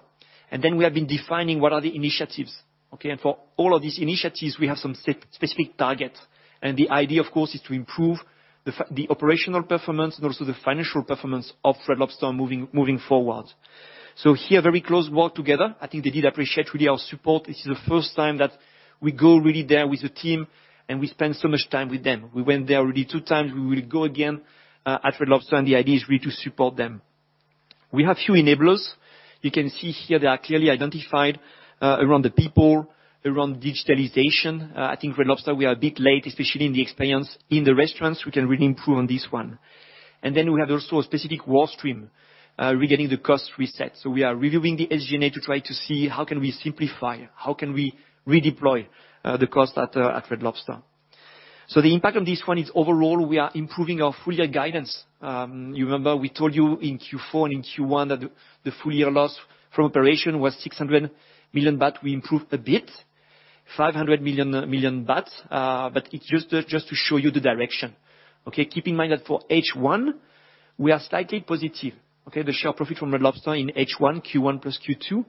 We have been defining what are the initiatives, okay? For all of these initiatives, we have some specific target. The idea, of course, is to improve the operational performance and also the financial performance of Red Lobster moving, moving forward. Here, very close work together. I think they did appreciate really our support. This is the first time that we go really there with the team, and we spend so much time with them. We went there already 2 times. We will go again at Red Lobster, and the idea is really to support them. We have few enablers. You can see here they are clearly identified, around the people, around digitalization. I think Red Lobster, we are a bit late, especially in the experience in the restaurants. We can really improve on this one. We have also a specific work stream regarding the cost reset. We are reviewing the SG&A to try to see how can we simplify, how can we redeploy the cost at Red Lobster. The impact on this one is overall, we are improving our full year guidance. You remember we told you in Q4 and in Q1 that the full year loss from operation was 600 million baht. We improved a bit, 500 million baht, it's just to show you the direction, okay? Keep in mind that for H1, we are slightly positive, okay? The share profit from Red Lobster in H1, Q1 plus Q2,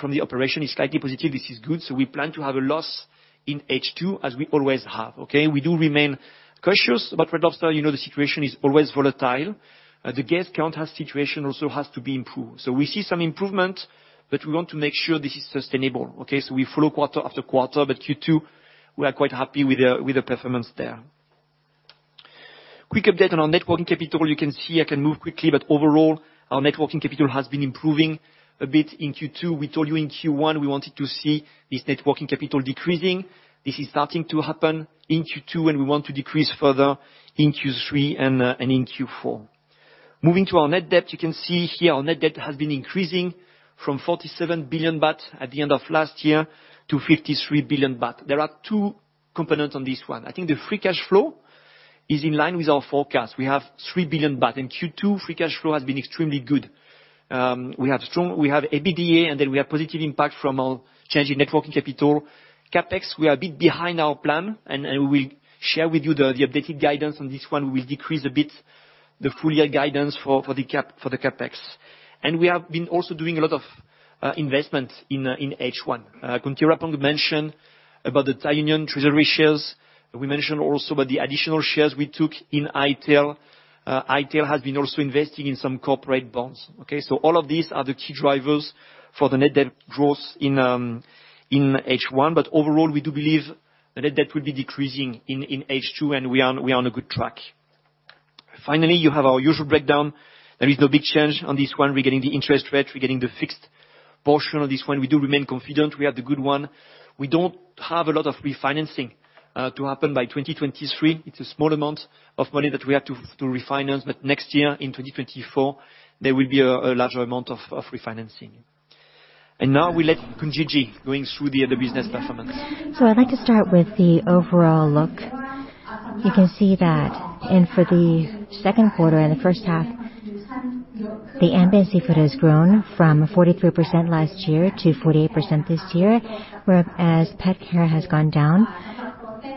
from the operation is slightly positive. This is good. We plan to have a loss in H2 as we always have, okay? We do remain cautious, about Red Lobster, you know, the situation is always volatile. The guest count situation also has to be improved. We see some improvement, but we want to make sure this is sustainable, okay? We follow quarter after quarter, but Q2, we are quite happy with the, with the performance there. Quick update on our net working capital. You can see I can move quickly, but overall, our net working capital has been improving a bit in Q2. We told you in Q1 we wanted to see this net working capital decreasing. This is starting to happen in Q2, we want to decrease further in Q3 and in Q4. Moving to our net debt, you can see here our net debt has been increasing from 47 billion Thai baht at the end of last year to 53 billion Thai baht. There are two components on this one. I think the free cash flow is in line with our forecast. We have 3 billion Thai baht. In Q2, free cash flow has been extremely good. We have EBITDA, and then we have positive impact from our change in net working capital. CapEx, we are a bit behind our plan, and we will share with you the updated guidance on this one. We will decrease a bit the full year guidance for the CapEx. We have been also doing a lot of investment in H1. Khun Thiraphong mentioned about the Thai Union treasury shares. We mentioned also about the additional shares we took in i-Tail. i-Tail has been also investing in some corporate bonds, okay? All of these are the key drivers for the net debt growth in H1, but overall, we do believe the net debt will be decreasing in H2, and we are, we are on a good track. Finally, you have our usual breakdown. There is no big change on this one. We're getting the interest rate, we're getting the fixed portion on this one. We do remain confident. We have the good one. We don't have a lot of refinancing to happen by 2023. It's a small amount of money that we have to refinance. Next year, in 2024, there will be a larger amount of refinancing. Now we let Khun Gigi going through the other business performance. I'd like to start with the overall look. You can see that in for the second quarter and the first half, the ambient seafood has grown from 43% last year to 48% this year, whereas pet care has gone down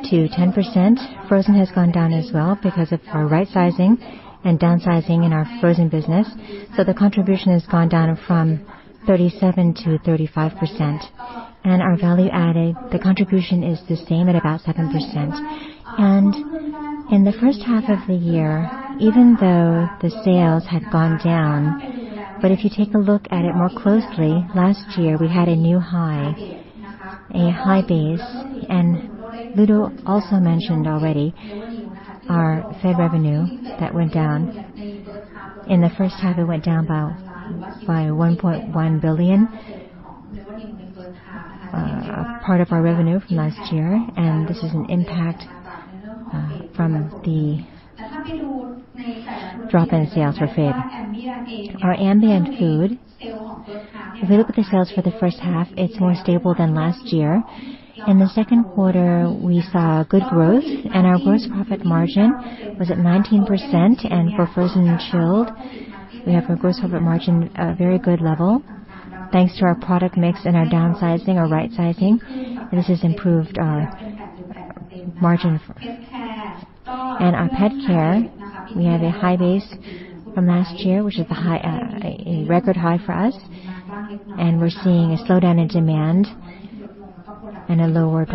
to 10%. Frozen has gone down as well because of our right sizing and downsizing in our frozen business, so the contribution has gone down from 37% to 35%. Our value added, the contribution is the same at about 7%. In the first half of the year, even though the sales had gone down, but if you take a look at it more closely, last year, we had a new high, a high base, and Ludo also mentioned already our FAD-free revenue that went down. In the first half, it went down by 1.1 billion, a part of our revenue from last year. This is an impact from the drop in sales for FAD. Our ambient food, if we look at the sales for the first half, it's more stable than last year. In the second quarter, we saw good growth. Our gross profit margin was at 19%. For frozen and chilled, we have a gross profit margin at a very good level. Thanks to our product mix and our downsizing, our right sizing, this has improved our margin. Our pet care, we have a high base from last year, which is the high, a record high for us, and we're seeing a slowdown in demand and a lower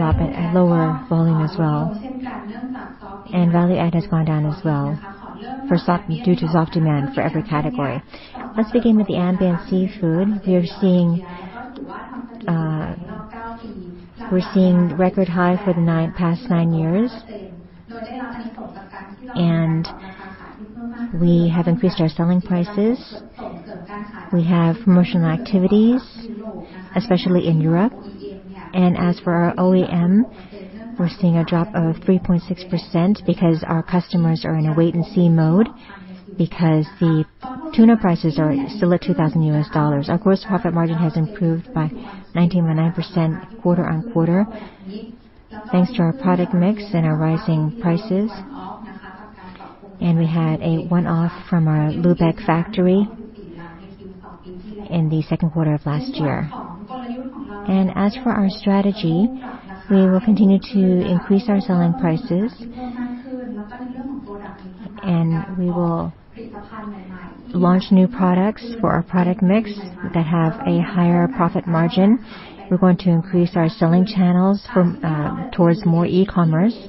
volume as well. Value add has gone down as well due to soft demand for every category. Let's begin with the ambient seafood. We are seeing, we're seeing record high for the past nine years, we have increased our selling prices. We have promotional activities, especially in Europe, as for our OEM, we're seeing a drop of 3.6% because our customers are in a wait and see mode, because the tuna prices are still at $2,000. Our gross profit margin has improved by 19.9% quarter on quarter, thanks to our product mix and our rising prices, we had a one-off from our Lübeck factory in the second quarter of last year. As for our strategy, we will continue to increase our selling prices, and we will launch new products for our product mix that have a higher profit margin. We're going to increase our selling channels from, towards more e-commerce.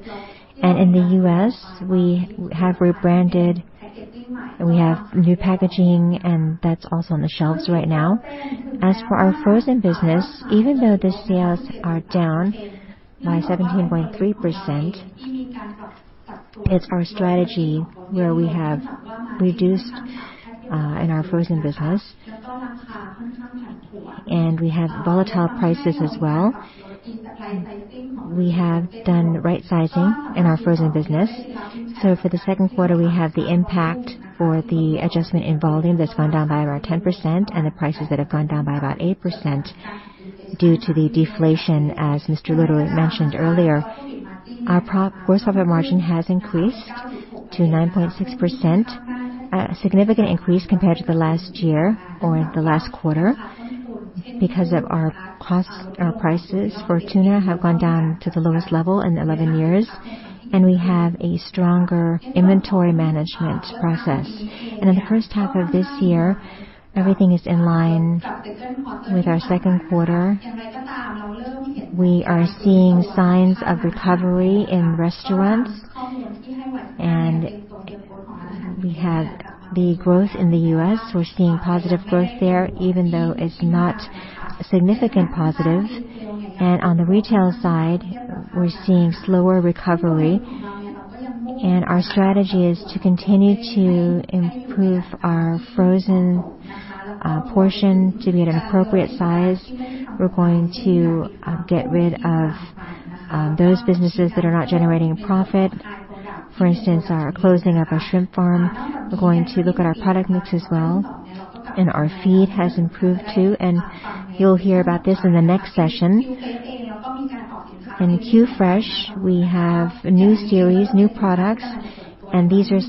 In the US, we have rebranded, and we have new packaging, and that's also on the shelves right now. As for our frozen business, even though the sales are down by 17.3%, it's our strategy where we have reduced in our frozen business, and we have volatile prices as well. We have done rightsizing in our frozen business. For the second quarter, we have the impact for the adjustment in volume that's gone down by about 10% and the prices that have gone down by about 8% due to the deflation, as Mr. Ludo mentioned earlier. Our gross profit margin has increased to 9.6%, a significant increase compared to the last year or the last quarter, because of our costs, our prices for tuna have gone down to the lowest level in 11 years, and we have a stronger inventory management process. In the first half of this year, everything is in line with our second quarter. We are seeing signs of recovery in restaurants, and we have the growth in the US. We're seeing positive growth there, even though it's not significant positive. On the retail side, we're seeing slower recovery, and our strategy is to continue to improve our frozen portion to be at an appropriate size. We're going to get rid of those businesses that are not generating a profit. For instance, our closing of our shrimp farm. We're going to look at our product mix as well, and our feed has improved, too, and you'll hear about this in the next session. In Qfresh, we have a new series, new products, and these are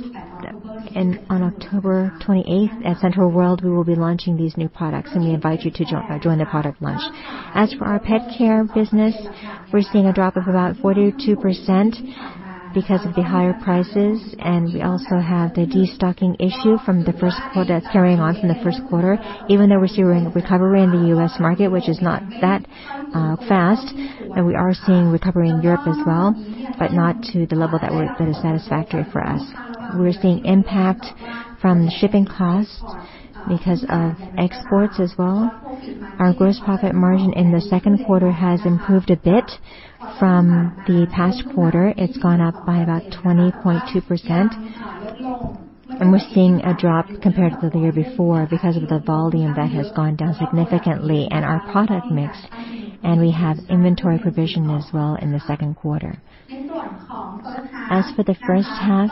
and on October 28th, at Central World, we will be launching these new products, and we invite you to join the product launch. As for our pet care business, we're seeing a drop of about 42% because of the higher prices, and we also have the destocking issue from the 1st quarter carrying on from the 1st quarter, even though we're seeing recovery in the US market, which is not that fast, and we are seeing recovery in Europe as well, but not to the level that we're... That is satisfactory for us. We're seeing impact from the shipping costs because of exports as well. Our gross profit margin in the second quarter has improved a bit from the past quarter. It's gone up by about 20.2%, and we're seeing a drop compared to the year before because of the volume that has gone down significantly and our product mix, and we have inventory provision as well in the second quarter. As for the first half,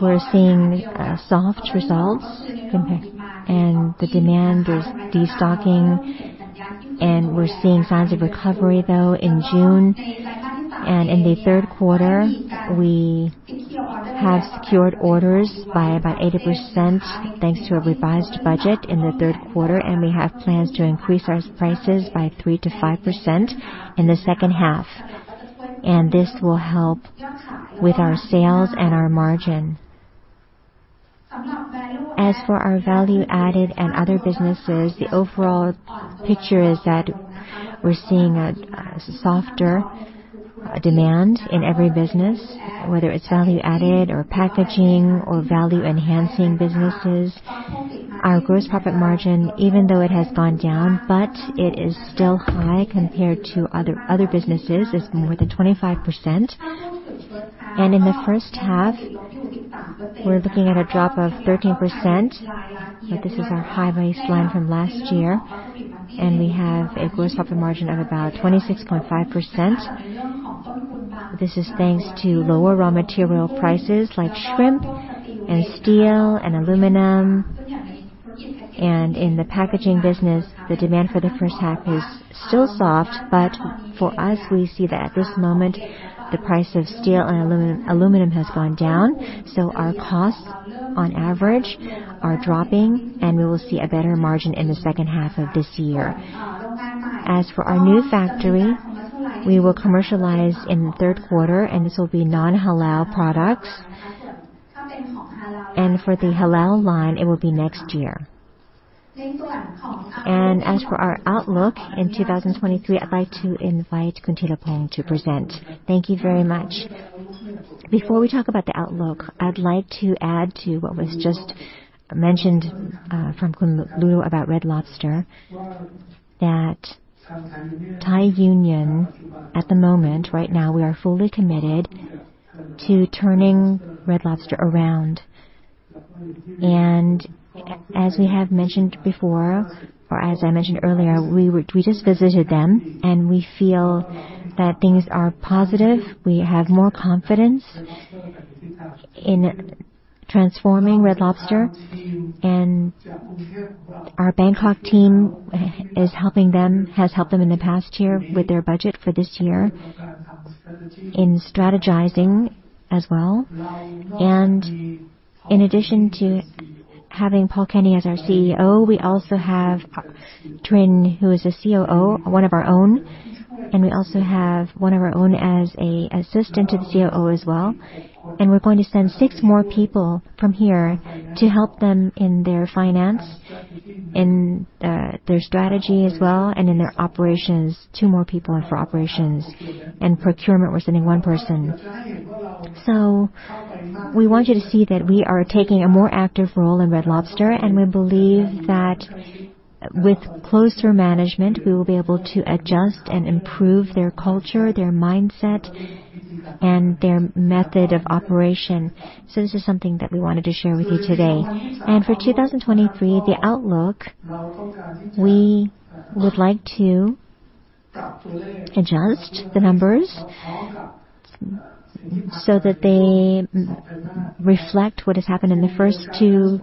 we're seeing soft results compared, and the demand is destocking, and we're seeing signs of recovery, though, in June. In the third quarter, we have secured orders by about 80%, thanks to a revised budget in the third quarter, and we have plans to increase our prices by 3%-5% in the second half, and this will help with our sales and our margin. As for our value-added and other businesses, the overall picture is that we're seeing a, a softer demand in every business, whether it's value-added or packaging or value-enhancing businesses. Our gross profit margin, even though it has gone down, but it is still high compared to other, other businesses, is more than 25%. In the first half, we're looking at a drop of 13%, but this is our high baseline from last year, and we have a gross profit margin of about 26.5%. This is thanks to lower raw material prices like shrimp and steel and aluminum. In the packaging business, the demand for the first half is still soft, for us, we see that at this moment, the price of steel and aluminum has gone down, our costs on average are dropping, and we will see a better margin in the second half of this year. As for our new factory, we will commercialize in the third quarter, and this will be non-halal products. For the halal line, it will be next year. As for our outlook in 2023, I'd like to invite Khun Thiraphong to present. Thank you very much. Before we talk about the outlook, I'd like to add to what was just mentioned from Khun Loo about Red Lobster, that Thai Union, at the moment, right now, we are fully committed to turning Red Lobster around. As we have mentioned before, or as I mentioned earlier, we just visited them, and we feel that things are positive. We have more confidence in transforming Red Lobster. Our Bangkok team is helping them, has helped them in the past year with their budget for this year in strategizing as well. In addition to having Paul Kenny as our CEO, we also have Trin, who is a COO, one of our own. We also have one of our own as an assistant to the COO as well. We're going to send six more people from here to help them in their finance, in their strategy as well, and in their operations, two more people in for operations. Procurement, we're sending one person. We want you to see that we are taking a more active role in Red Lobster, and we believe that with closer management, we will be able to adjust and improve their culture, their mindset, and their method of operation. This is something that we wanted to share with you today. For 2023, the outlook, we would like to adjust the numbers so that they reflect what has happened in the first two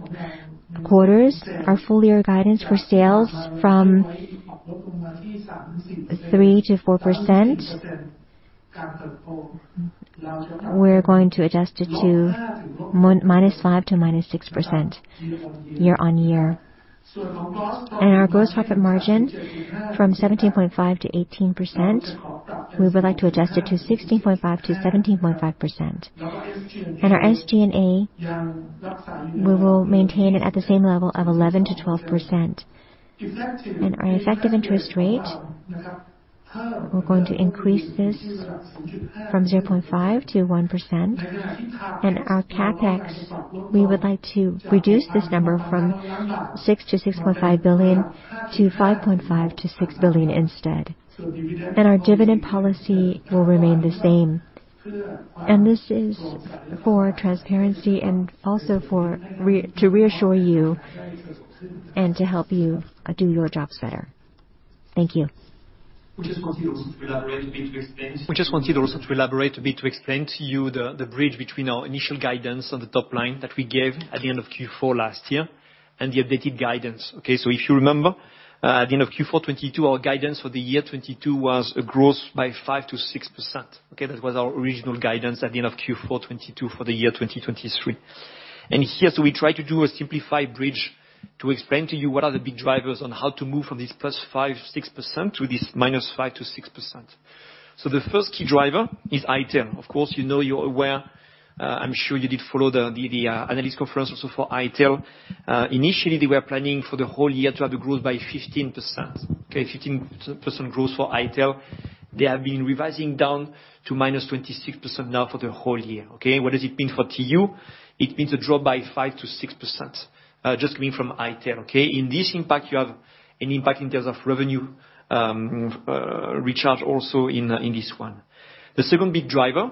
quarters. Our full year guidance for sales from 3%-4%, we're going to adjust it to -5% to -6% year-on-year. Our gross profit margin from 17.5%-18%, we would like to adjust it to 16.5%-17.5%. Our SG&A, we will maintain it at the same level of 11%-12%. Our effective interest rate, we're going to increase this from 0.5%-1%. Our CapEx, we would like to reduce this number from $6 billion-$6.5 billion to $5.5 billion-$6 billion instead. Our dividend policy will remain the same. This is for transparency and also to reassure you and to help you do your jobs better. Thank you. We just wanted also to elaborate a bit to explain to you the, the bridge between our initial guidance on the top line that we gave at the end of Q4 last year and the updated guidance. If you remember, at the end of Q4 2022, our guidance for the year 2022 was a growth by 5%-6%. That was our original guidance at the end of Q4 2022 for the year 2023. Here, we try to do a simplified bridge to explain to you what are the big drivers on how to move from this +5%-6% to this -5%-6%. The first key driver is i-Tail. Of course, you know, you're aware, I'm sure you did follow the analyst conference also for i-Tail. Initially, they were planning for the whole year to have the growth by 15%, okay? 15% growth for i-Tail. They have been revising down to minus 26% now for the whole year, okay? What does it mean for TU? It means a drop by 5%-6%, just coming from i-Tail, okay? In this impact, you have an impact in terms of revenue, recharge also in this one. The second big driver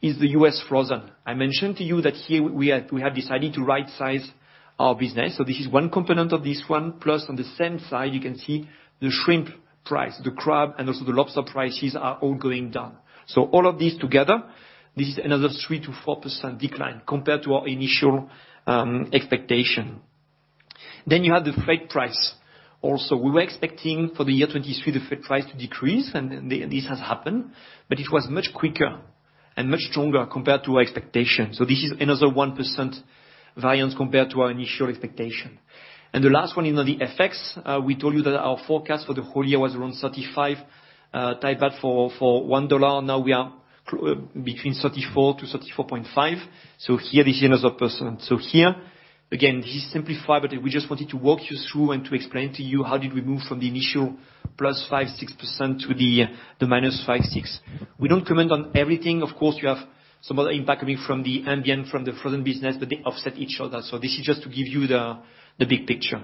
is the US frozen. I mentioned to you that here we have decided to rightsize our business, so this is one component of this one. On the same side, you can see the shrimp price, the crab, and also the lobster prices are all going down. All of these together, this is another 3%-4% decline compared to our initial expectation. You have the freight price also. We were expecting for the year 2023, the freight price to decrease, and this has happened, but it was much quicker and much stronger compared to our expectation, so this is another 1% variance compared to our initial expectation. The last one in on the FX. We told you that our forecast for the whole year was around 35 Thai baht for $1. Now, we are between 34-34.5 Thai baht. Here, this is another %. Here, again, this is simplified, but we just wanted to walk you through and to explain to you how did we move from the initial +5.6% to the -5.6%. We don't comment on everything. Of course, you have some other impact coming from the ambient, from the frozen business, but they offset each other, so this is just to give you the big picture.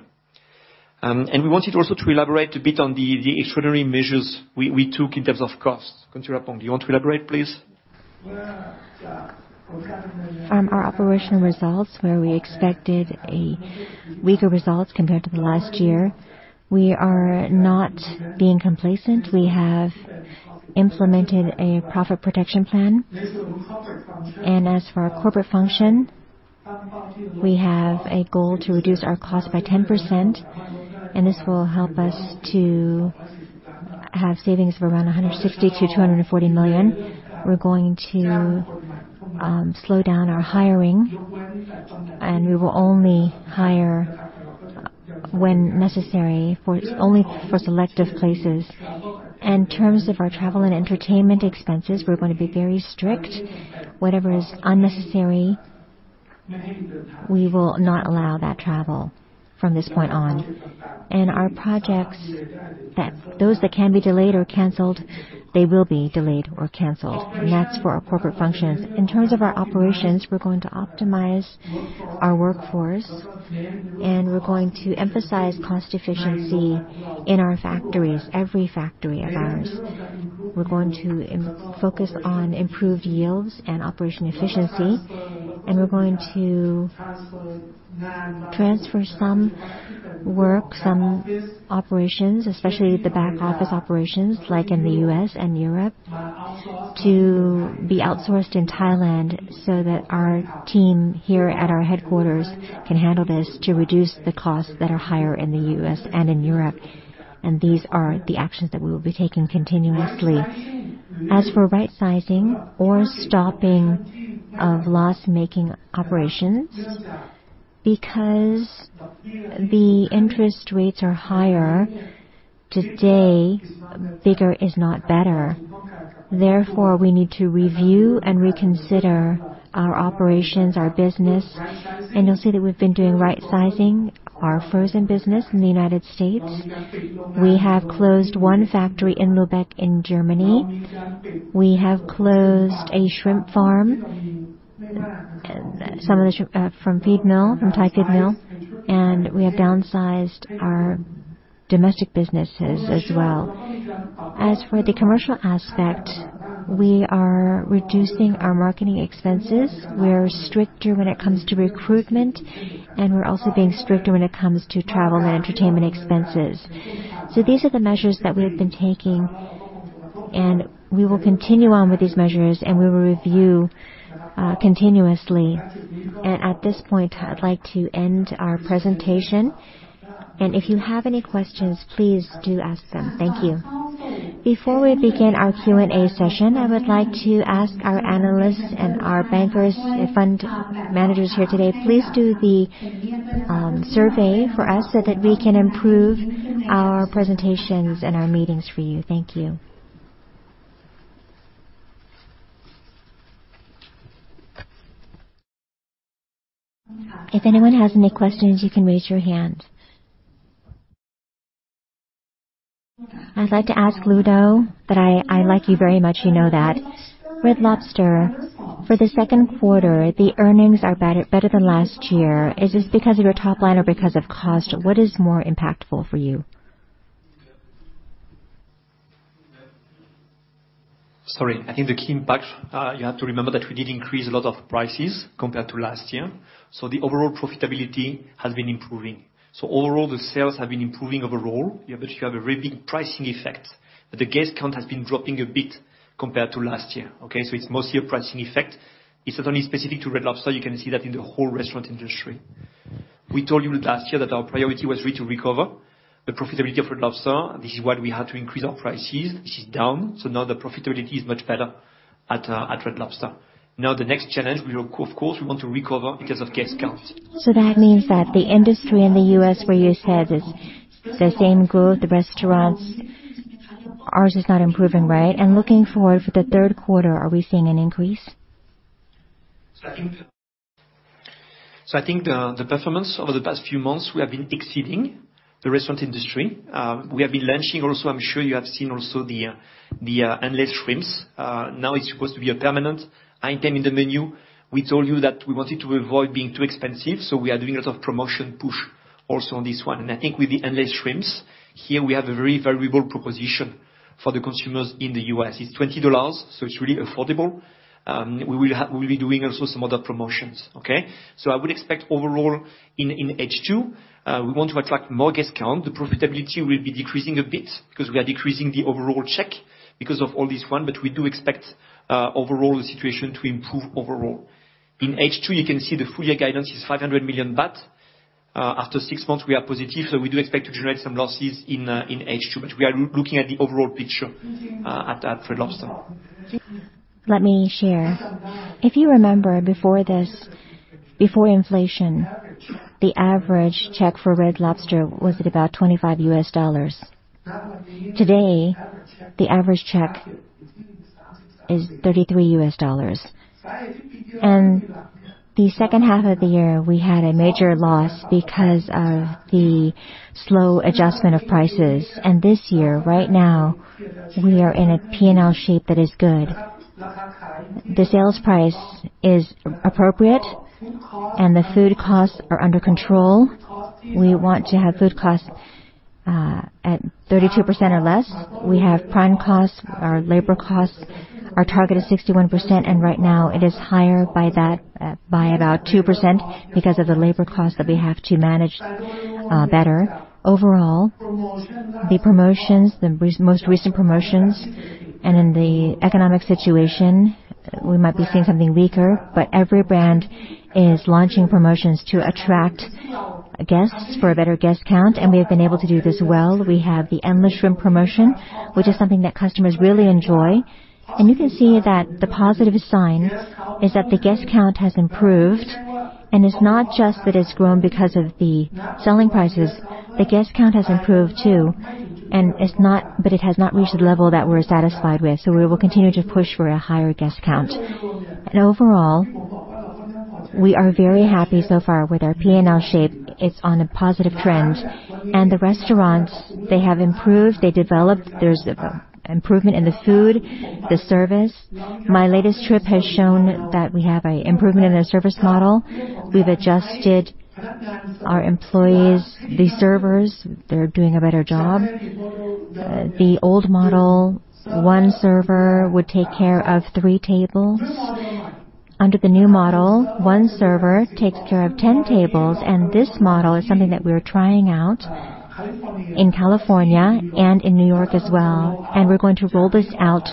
We wanted also to elaborate a bit on the extraordinary measures we took in terms of costs. Controller Pongpong, do you want to elaborate, please? From our operational results, where we expected a weaker results compared to the last year, we are not being complacent. We have implemented a profit protection plan. As for our corporate function, we have a goal to reduce our cost by 10%, and this will help us to have savings of around 160 million-240 million. We're going to slow down our hiring, and we will only hire when necessary, for only for selective places. In terms of our travel and entertainment expenses, we're going to be very strict. Whatever is unnecessary, we will not allow that travel from this point on. Our projects, those that can be delayed or canceled, they will be delayed or canceled, and that's for our corporate functions. In terms of our operations, we're going to optimize our workforce, and we're going to emphasize cost efficiency in our factories, every factory of ours. We're going to focus on improved yields and operation efficiency, and we're going to transfer some work, some operations, especially the back office operations, like in the US and Europe, to be outsourced in Thailand so that our team here at our headquarters can handle this to reduce the costs that are higher in the US and in Europe. These are the actions that we will be taking continuously. As for rightsizing or stopping of loss-making operations. Because the interest rates are higher today, bigger is not better. Therefore, we need to review and reconsider our operations, our business, and you'll see that we've been doing right-sizing our frozen business in the United States. We have closed one factory in Lübeck in Germany. We have closed a shrimp farm, some of the from Feed mill, from Thai feed mill, and we have downsized our domestic businesses as well. As for the commercial aspect, we are reducing our marketing expenses. We're stricter when it comes to recruitment, and we're also being stricter when it comes to travel and entertainment expenses. These are the measures that we have been taking, and we will continue on with these measures, and we will review continuously. At this point, I'd like to end our presentation, and if you have any questions, please do ask them. Thank you. Before we begin our Q&A session, I would like to ask our analysts and our bankers and fund managers here today, please do the survey for us, so that we can improve our presentations and our meetings for you. Thank you. If anyone has any questions, you can raise your hand. I'd like to ask Ludo, that I, I like you very much, you know that. Red Lobster, for the 2nd quarter, the earnings are better, better than last year. Is this because of your top line or because of cost? What is more impactful for you? Sorry. I think the key impact, you have to remember that we did increase a lot of prices compared to last year, the overall profitability has been improving. Overall, the sales have been improving overall. Yeah, you have a very big pricing effect, but the guest count has been dropping a bit compared to last year, okay? It's mostly a pricing effect. It's not only specific to Red Lobster, you can see that in the whole restaurant industry. We told you last year that our priority was really to recover the profitability of Red Lobster. This is why we had to increase our prices. This is down, now the profitability is much better at Red Lobster. Now, the next challenge, we of course, we want to recover because of guest count. That means that the industry in the US, where you said, is the same growth, the restaurants, ours is not improving, right? Looking forward for the third quarter, are we seeing an increase? I think the, the performance over the past few months, we have been exceeding the restaurant industry. We have been launching also, I'm sure you have seen also the, the Endless Shrimp. Now it's supposed to be a permanent item in the menu. We told you that we wanted to avoid being too expensive, so we are doing a lot of promotion push also on this one. I think with the Endless Shrimp, here we have a very valuable proposition for the consumers in the US. It's $20, so it's really affordable. We will be doing also some other promotions, okay? I would expect overall in, in H2, we want to attract more guest count. The profitability will be decreasing a bit because we are decreasing the overall check because of all this one, but we do expect, overall, the situation to improve overall. In H2, you can see the full year guidance is 500 million baht. After six months, we are positive, so we do expect to generate some losses in H2, but we are looking at the overall picture, at Red Lobster. Let me share. If you remember before this, before inflation, the average check for Red Lobster was at about $25. Today, the average check is $33. The second half of the year, we had a major loss because of the slow adjustment of prices. This year, right now, we are in a P&L shape that is good. The sales price is appropriate, and the food costs are under control. We want to have food costs at 32% or less. We have prime costs. Our labor costs, our target is 61%, and right now it is higher by that, by about 2% because of the labor costs that we have to manage better. Overall, the promotions, the most recent promotions, in the economic situation, we might be seeing something weaker, but every brand is launching promotions to attract guests for a better guest count, we have been able to do this well. We have the Endless Shrimp promotion, which is something that customers really enjoy. You can see that the positive sign is that the guest count has improved, it's not just that it's grown because of the selling prices. The guest count has improved, too, but it has not reached the level that we're satisfied with, so we will continue to push for a higher guest count. Overall, we are very happy so far with our P&L shape. It's on a positive trend, the restaurants, they have improved, they developed. There's a improvement in the food, the service. My latest trip has shown that we have a improvement in the service model. We've adjusted our employees. The servers, they're doing a better job. The old model, one server would take care of three tables. Under the new model, one server takes care of 10 tables, and this model is something that we're trying out in California and in New York as well, and we're going to roll this out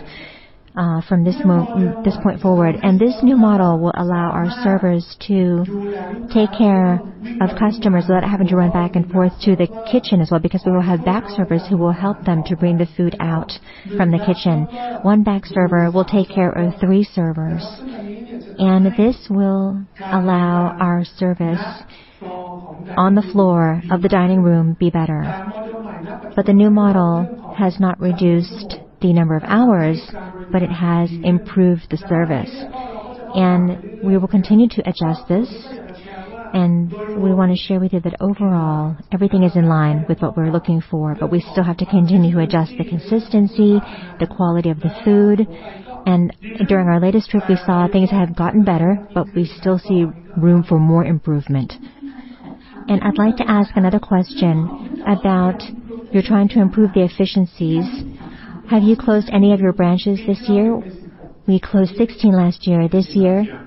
from this point forward. This new model will allow our servers to take care of customers without having to run back and forth to the kitchen as well, because we will have back servers who will help them to bring the food out from the kitchen. One back server will take care of three servers, and this will allow our service on the floor of the dining room be better. The new model has not reduced the number of hours, but it has improved the service. We will continue to adjust this, and we want to share with you that overall, everything is in line with what we're looking for, but we still have to continue to adjust the consistency, the quality of the food. During our latest trip, we saw things have gotten better, but we still see room for more improvement. I'd like to ask another question about you're trying to improve the efficiencies. Have you closed any of your branches this year? We closed 16 last year. This year?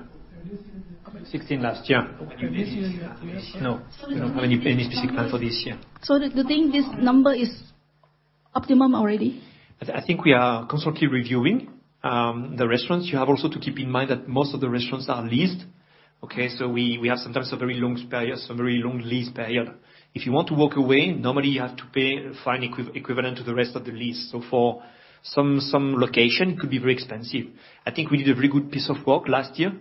16 last year. This year, we have- No, we don't have any, any specific plan for this year. Do you think this number is optimum already? I, I think we are constantly reviewing the restaurants. You have also to keep in mind that most of the restaurants are leased, okay? We, we have sometimes a very long period, some very long lease period. If you want to walk away, normally you have to pay a fine equivalent to the rest of the lease. For some, some location, it could be very expensive. I think we did a very good piece of work last year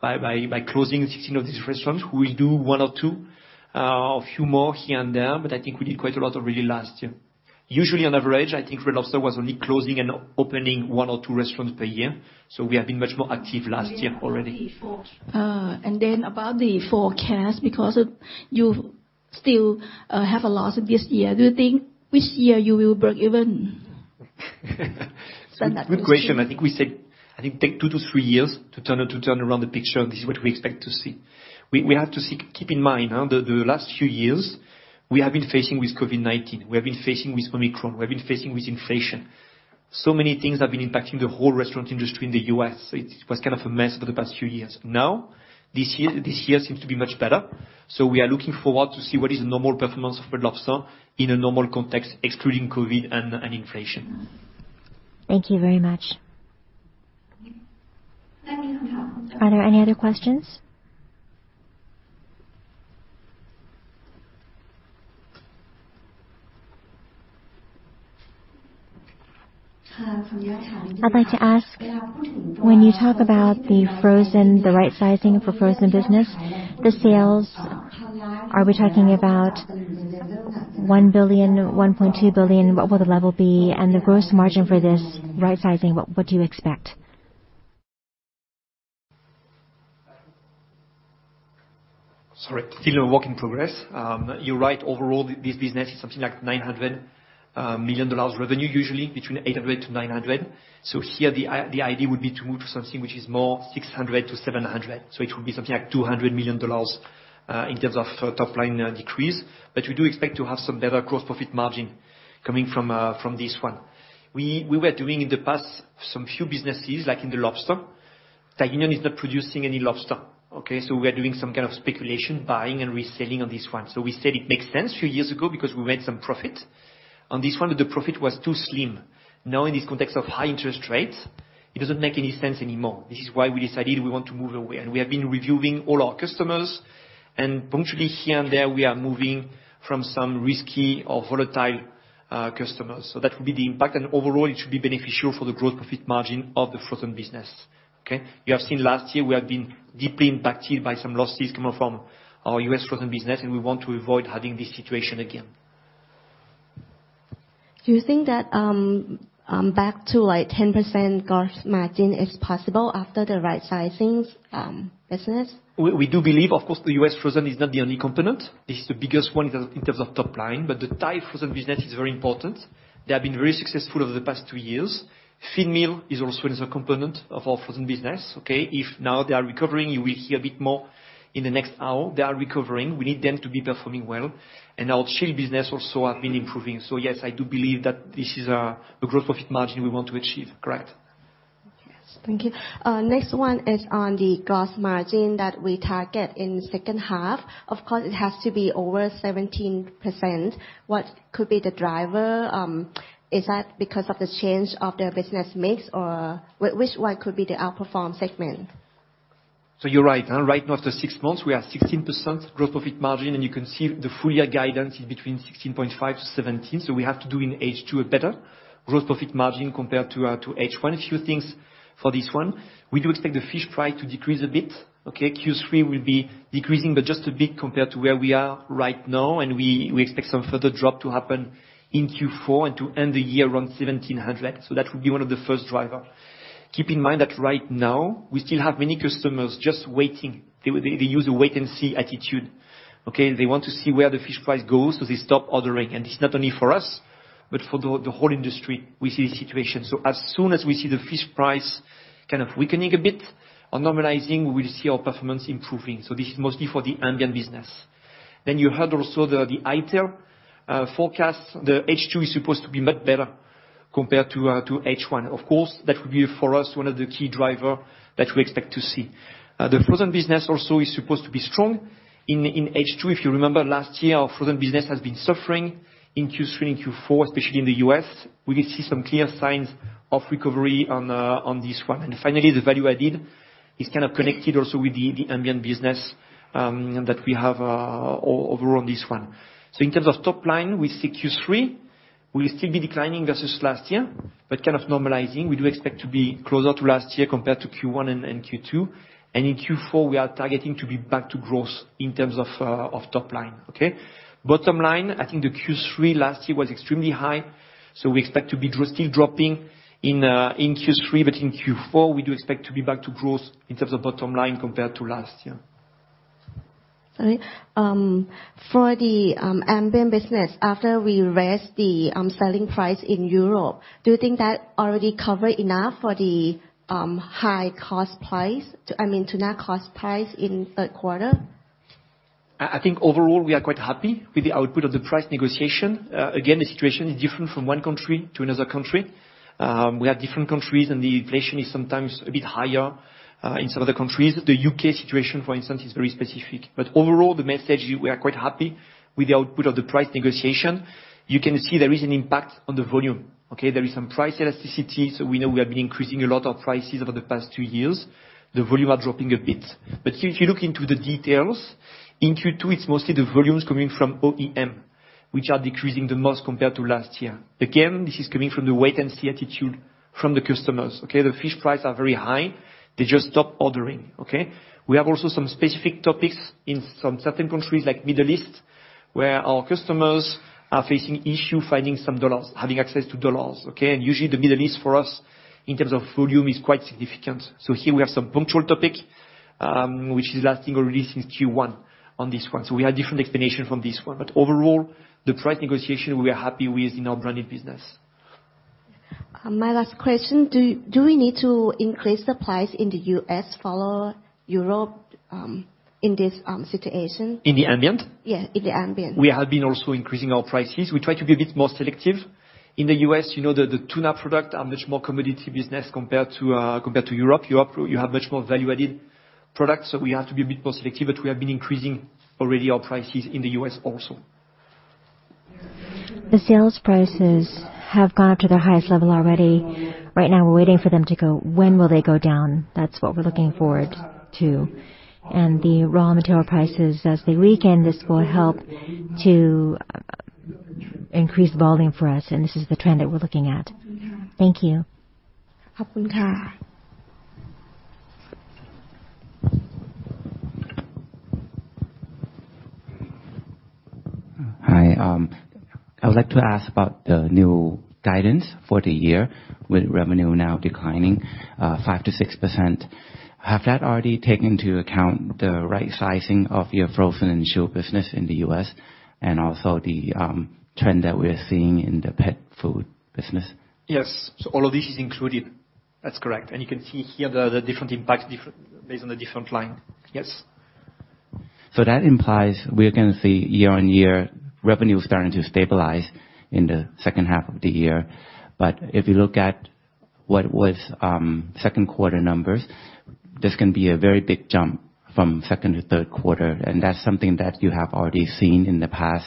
by, by, by closing 16 of these restaurants. We will do one or two, a few more here and there, I think we did quite a lot of really last year. Usually, on average, I think Red Lobster was only closing and opening one or two restaurants per year, we have been much more active last year already. Then about the forecast, because you still have a lot of this year, do you think which year you will break even? Good question. I think we said, I think take two to three years to turn, to turn around the picture, and this is what we expect to see. We, we have to see, keep in mind, the, the last few years, we have been facing with COVID-19, we have been facing with Omicron, we have been facing with inflation. Many things have been impacting the whole restaurant industry in the U.S., so it was kind of a mess over the past few years. Now, this year, this year seems to be much better, so we are looking forward to see what is the normal performance of Red Lobster in a normal context, excluding COVID and, and inflation. Thank you very much. Thank you. Are there any other questions? I'd like to ask, when you talk about the frozen, the right sizing for frozen business, the sales, are we talking about $1 billion, $1.2 billion? What will the level be and the gross margin for this right sizing, what, what do you expect? Sorry. Still a work in progress. You're right, overall, this business is something like $900 million revenue, usually between $800-$900. Here, the idea would be to move to something which is more $600-$700. It would be something like $200 million in terms of top line decrease. We do expect to have some better gross profit margin coming from this one. We, we were doing in the past some few businesses, like in the lobster. Thai Union is not producing any lobster, okay. We are doing some kind of speculation, buying and reselling on this one. We said it makes sense a few years ago because we made some profit. On this one, the profit was too slim. In this context of high interest rates, it doesn't make any sense anymore. This is why we decided we want to move away, we have been reviewing all our customers, punctually, here and there, we are moving from some risky or volatile customers. That would be the impact, overall, it should be beneficial for the growth profit margin of the frozen business, okay? You have seen last year we have been deeply impacted by some losses coming from our US frozen business, we want to avoid having this situation again. Do you think that, back to, like, 10% gross margin is possible after the right sizing, business? We, we do believe, of course, the US frozen is not the only component. This is the biggest one in terms of top line. The Thai frozen business is very important. They have been very successful over the past two years. Feed mill is also as a component of our frozen business, okay? If now they are recovering, you will hear a bit more in the next hour. They are recovering. We need them to be performing well, and our chill business also have been improving. Yes, I do believe that this is a, the growth profit margin we want to achieve. Correct. Yes. Thank you. Next one is on the gross margin that we target in the second half. Of course, it has to be over 17%. What could be the driver? Is that because of the change of the business mix, or which, which one could be the outperform segment? You're right, right now, after six months, we are 16% growth profit margin, you can see the full year guidance is between 16.5%-17%. We have to do in H2 a better growth profit margin compared to H1. A few things for this one. We do expect the fish price to decrease a bit, okay? Q3 will be decreasing, but just a bit compared to where we are right now, we expect some further drop to happen in Q4 and to end the year around $1,700. That would be one of the first driver. Keep in mind that right now, we still have many customers just waiting. They use a wait and see attitude, okay? They want to see where the fish price goes, they stop ordering. This is not only for us, but for the whole industry, we see the situation. As soon as we see the fish price kind of weakening a bit or normalizing, we will see our performance improving. This is mostly for the ambient business. You heard also the i-Tail forecast. The H2 is supposed to be much better compared to H1. Of course, that would be, for us, one of the key driver that we expect to see. The frozen business also is supposed to be strong in H2. If you remember last year, our frozen business has been suffering in Q3 and Q4, especially in the US. We could see some clear signs of recovery on this one. Finally, the value added is kind of connected also with the, the ambient business that we have over on this one. In terms of top line, we see Q3 will still be declining versus last year, but kind of normalizing. We do expect to be closer to last year compared to Q1 and Q2, and in Q4, we are targeting to be back to growth in terms of top line, okay. Bottom line, I think the Q3 last year was extremely high, We expect to be still dropping in Q3, In Q4, we do expect to be back to growth in terms of bottom line compared to last year. Sorry. For the ambient business, after we raised the selling price in Europe, do you think that already covered enough for the high cost price, I mean, tuna cost price in third quarter? I think overall, we are quite happy with the output of the price negotiation. Again, the situation is different from one country to another country. We have different countries, and the inflation is sometimes a bit higher in some of the countries. The UK situation, for instance, is very specific. Overall, the message, we are quite happy with the output of the price negotiation. You can see there is an impact on the volume, okay? There is some price elasticity. We know we have been increasing a lot of prices over the past two years. The volume are dropping a bit. If you look into the details, in Q2, it's mostly the volumes coming from OEM, which are decreasing the most compared to last year. Again, this is coming from the wait and see attitude from the customers, okay? The fish price are very high. They just stop ordering, okay? We have also some specific topics in some certain countries like Middle East, where our customers are facing issue finding some dollars, having access to dollars, okay? Usually, the Middle East for us, in terms of volume, is quite significant. Here we have some punctual topic, which is lasting already since Q1 on this one. We have different explanation from this one, but overall, the price negotiation, we are happy with in our branded business. My last question, do, do we need to increase the price in the U.S., follow Europe, in this situation? In the ambient? Yeah, in the ambient. We have been also increasing our prices. We try to be a bit more selective. In the US, you know, the, the tuna product are much more commodity business compared to compared to Europe. Europe, you have much more value-added products, so we have to be a bit more selective, but we have been increasing already our prices in the US also. The sales prices have gone up to their highest level already. Right now, we're waiting for them to go... When will they go down? That's what we're looking forward to. The raw material prices, as they weaken, this will help to increase the volume for us, and this is the trend that we're looking at. Thank you. Hi. I would like to ask about the new guidance for the year, with revenue now declining 5%-6%. Have that already taken into account the right sizing of your frozen and chilled business in the US, and also the trend that we're seeing in the pet food business? Yes. All of this is included. That's correct, and you can see here the different impacts, based on the different line. Yes. That implies we're gonna see year-on-year revenue starting to stabilize in the second half of the year. If you look at what was, second quarter numbers, this can be a very big jump from second to third quarter, and that's something that you have already seen in the past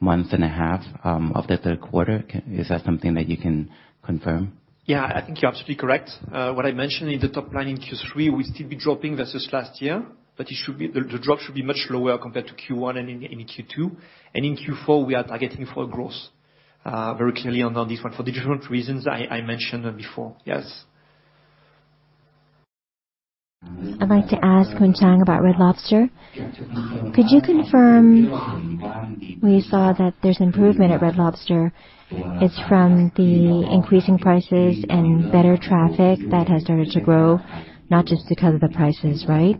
month and a half, of the third quarter. Is that something that you can confirm? Yeah, I think you're absolutely correct. What I mentioned in the top line in Q3, we'll still be dropping versus last year, but it should be... The, the drop should be much lower compared to Q1 and in, in Q2. In Q4, we are targeting for growth, very clearly on, on this one, for the different reasons I, I mentioned before. Yes. I'd like to ask one thing about Red Lobster. Could you confirm? We saw that there's improvement at Red Lobster. It's from the increasing prices and better traffic that has started to grow, not just because of the prices, right?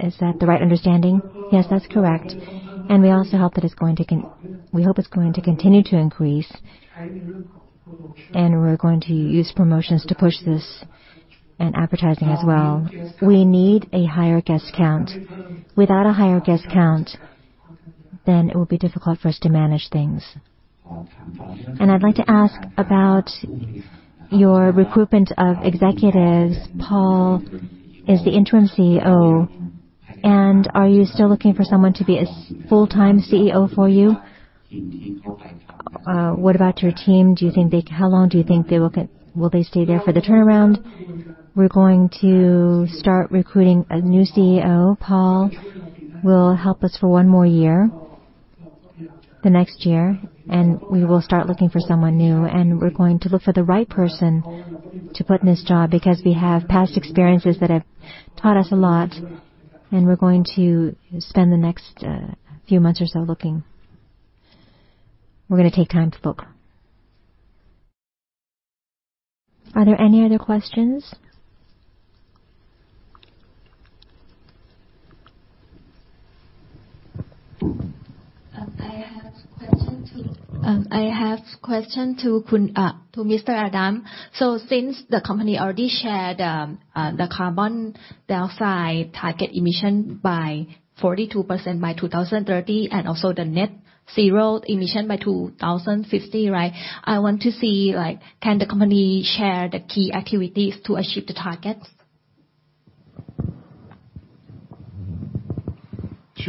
Is that the right understanding? Yes, that's correct. We also hope that it's going to continue to increase, and we're going to use promotions to push this, and advertising as well. We need a higher guest count. Without a higher guest count, then it will be difficult for us to manage things. I'd like to ask about your recruitment of executives. Paul is the interim CEO, and are you still looking for someone to be a full-time CEO for you? What about your team? Do you think they... How long do you think they will get... Will they stay there for the turnaround? We're going to start recruiting a new CEO. Paul will help us for one more year, the next year. We will start looking for someone new. We're going to look for the right person to put in this job, because we have past experiences that have taught us a lot. We're going to spend the next few months or so looking. We're gonna take time to look. Are there any other questions? I have question to Khun to Mr. Adam. Since the company already shared the carbon dioxide target emission by 42% by 2030, and also the net zero emission by 2050, right? I want to see, like, can the company share the key activities to achieve the targets?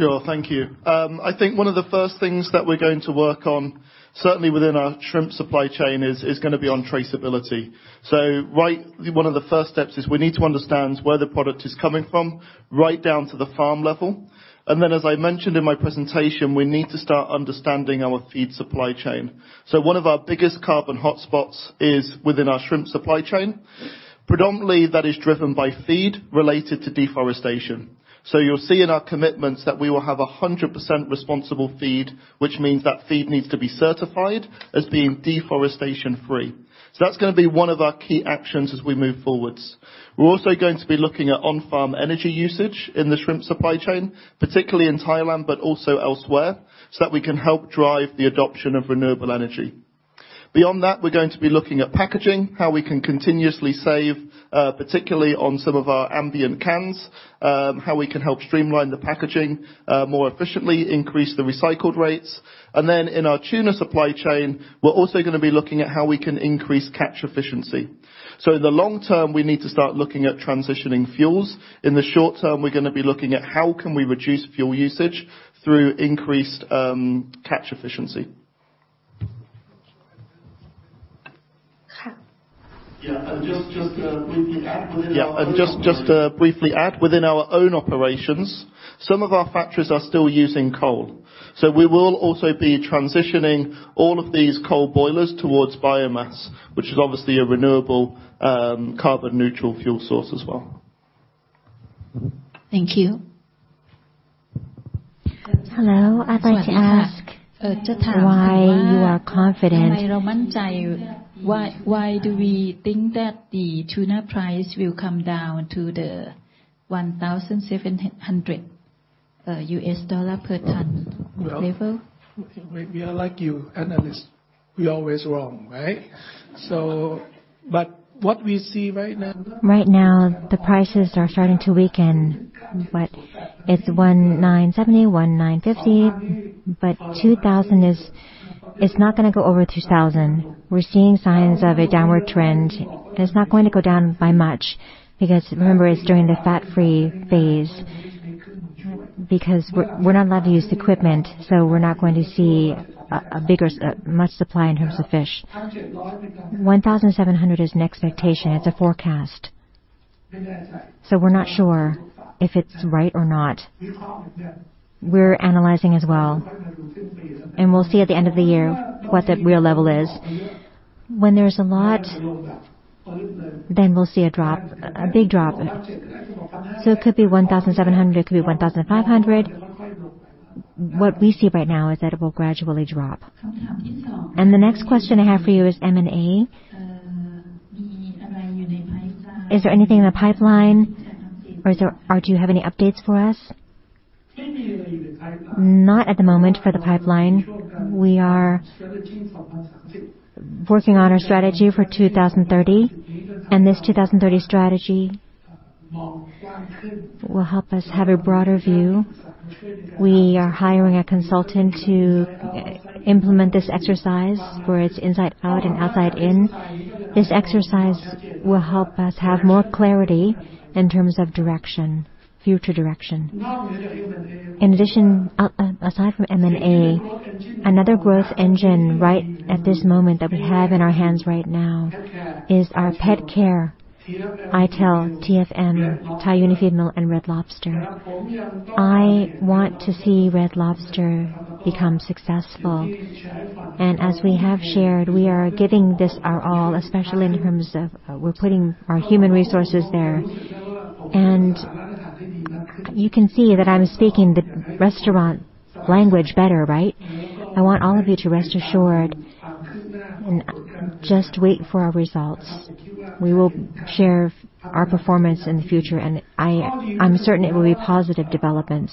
Sure. Thank you. I think one of the first things that we're going to work on, certainly within our shrimp supply chain, is gonna be on traceability. Right, one of the first steps is we need to understand where the product is coming from, right down to the farm level. Then, as I mentioned in my presentation, we need to start understanding our feed supply chain. One of our biggest carbon hotspots is within our shrimp supply chain. Predominantly, that is driven by feed related to deforestation. You'll see in our commitments that we will have 100% responsible feed, which means that feed needs to be certified as being deforestation-free. That's going to be one of our key actions as we move forwards. We're also going to be looking at on-farm energy usage in the shrimp supply chain, particularly in Thailand but also elsewhere, so that we can help drive the adoption of renewable energy. Beyond that, we're going to be looking at packaging, how we can continuously save, particularly on some of our ambient cans, how we can help streamline the packaging more efficiently, increase the recycled rates. Then in our tuna supply chain, we're also going to be looking at how we can increase catch efficiency. In the long term, we need to start looking at transitioning fuels. In the short term, we're going to be looking at how can we reduce fuel usage through increased catch efficiency. Yeah, just, briefly add within our- Yeah, just, just briefly add within our own operations, some of our factories are still using coal, so we will also be transitioning all of these coal boilers towards biomass, which is obviously a renewable, carbon neutral fuel source as well. Thank you. Hello. I'd like to ask, why you are confident? Why, why do we think that the tuna price will come down to the $1,700 per ton level? Well, we are like you, analysts, we always wrong, right? What we see right now. Right now, the prices are starting to weaken, but it's 1,970, 1,950, but 2,000. It's not going to go over 2,000. We're seeing signs of a downward trend, and it's not going to go down by much, because remember, it's during the FAD-free phase. We're not allowed to use the equipment, so we're not going to see a bigger, much supply in terms of fish. 1,700 is an expectation, it's a forecast. We're not sure if it's right or not. We're analyzing as well. We'll see at the end of the year what the real level is. When there's a lot, then we'll see a drop, a big drop. It could be 1,700, it could be 1,500. What we see right now is that it will gradually drop. The next question I have for you is M&A. Is there anything in the pipeline or do you have any updates for us? Not at the moment for the pipeline. We are working on our strategy for 2030. This 2030 strategy will help us have a broader view. We are hiring a consultant to implement this exercise, where it's inside out and outside in. This exercise will help us have more clarity in terms of direction, future direction. In addition, aside from M&A, another growth engine right at this moment that we have in our hands right now is our pet care. i-Tail, TFM, Thai Union Feedmill, and Red Lobster. I want to see Red Lobster become successful. As we have shared, we are giving this our all, especially in terms of, we're putting our human resources there. You can see that I'm speaking the restaurant language better, right? I want all of you to rest assured and just wait for our results. We will share our performance in the future, and I, I'm certain it will be positive developments.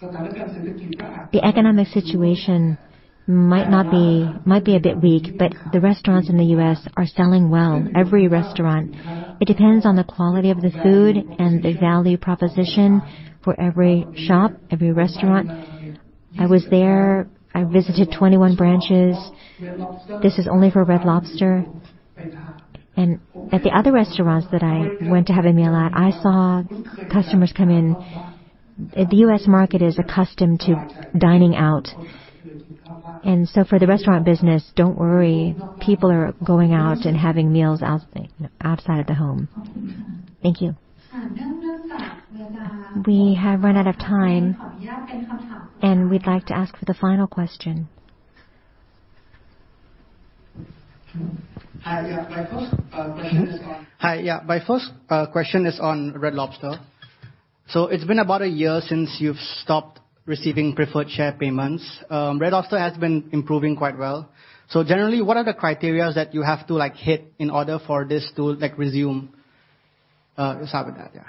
The economic situation might not be-- might be a bit weak, but the restaurants in the US are selling well, every restaurant. It depends on the quality of the food and the value proposition for every shop, every restaurant. I was there. I visited 21 branches. This is only for Red Lobster. At the other restaurants that I went to have a meal at, I saw customers come in. The US market is accustomed to dining out. For the restaurant business, don't worry, people are going out and having meals out, outside of the home. Thank you. We have run out of time. We'd like to ask for the final question. Hi, yeah. My first question is on Red Lobster. It's been about a year since you've stopped receiving preferred share payments. Red Lobster has been improving quite well. Generally, what are the criteria that you have to, like, hit in order for this to, like, resume, start with that? Yeah.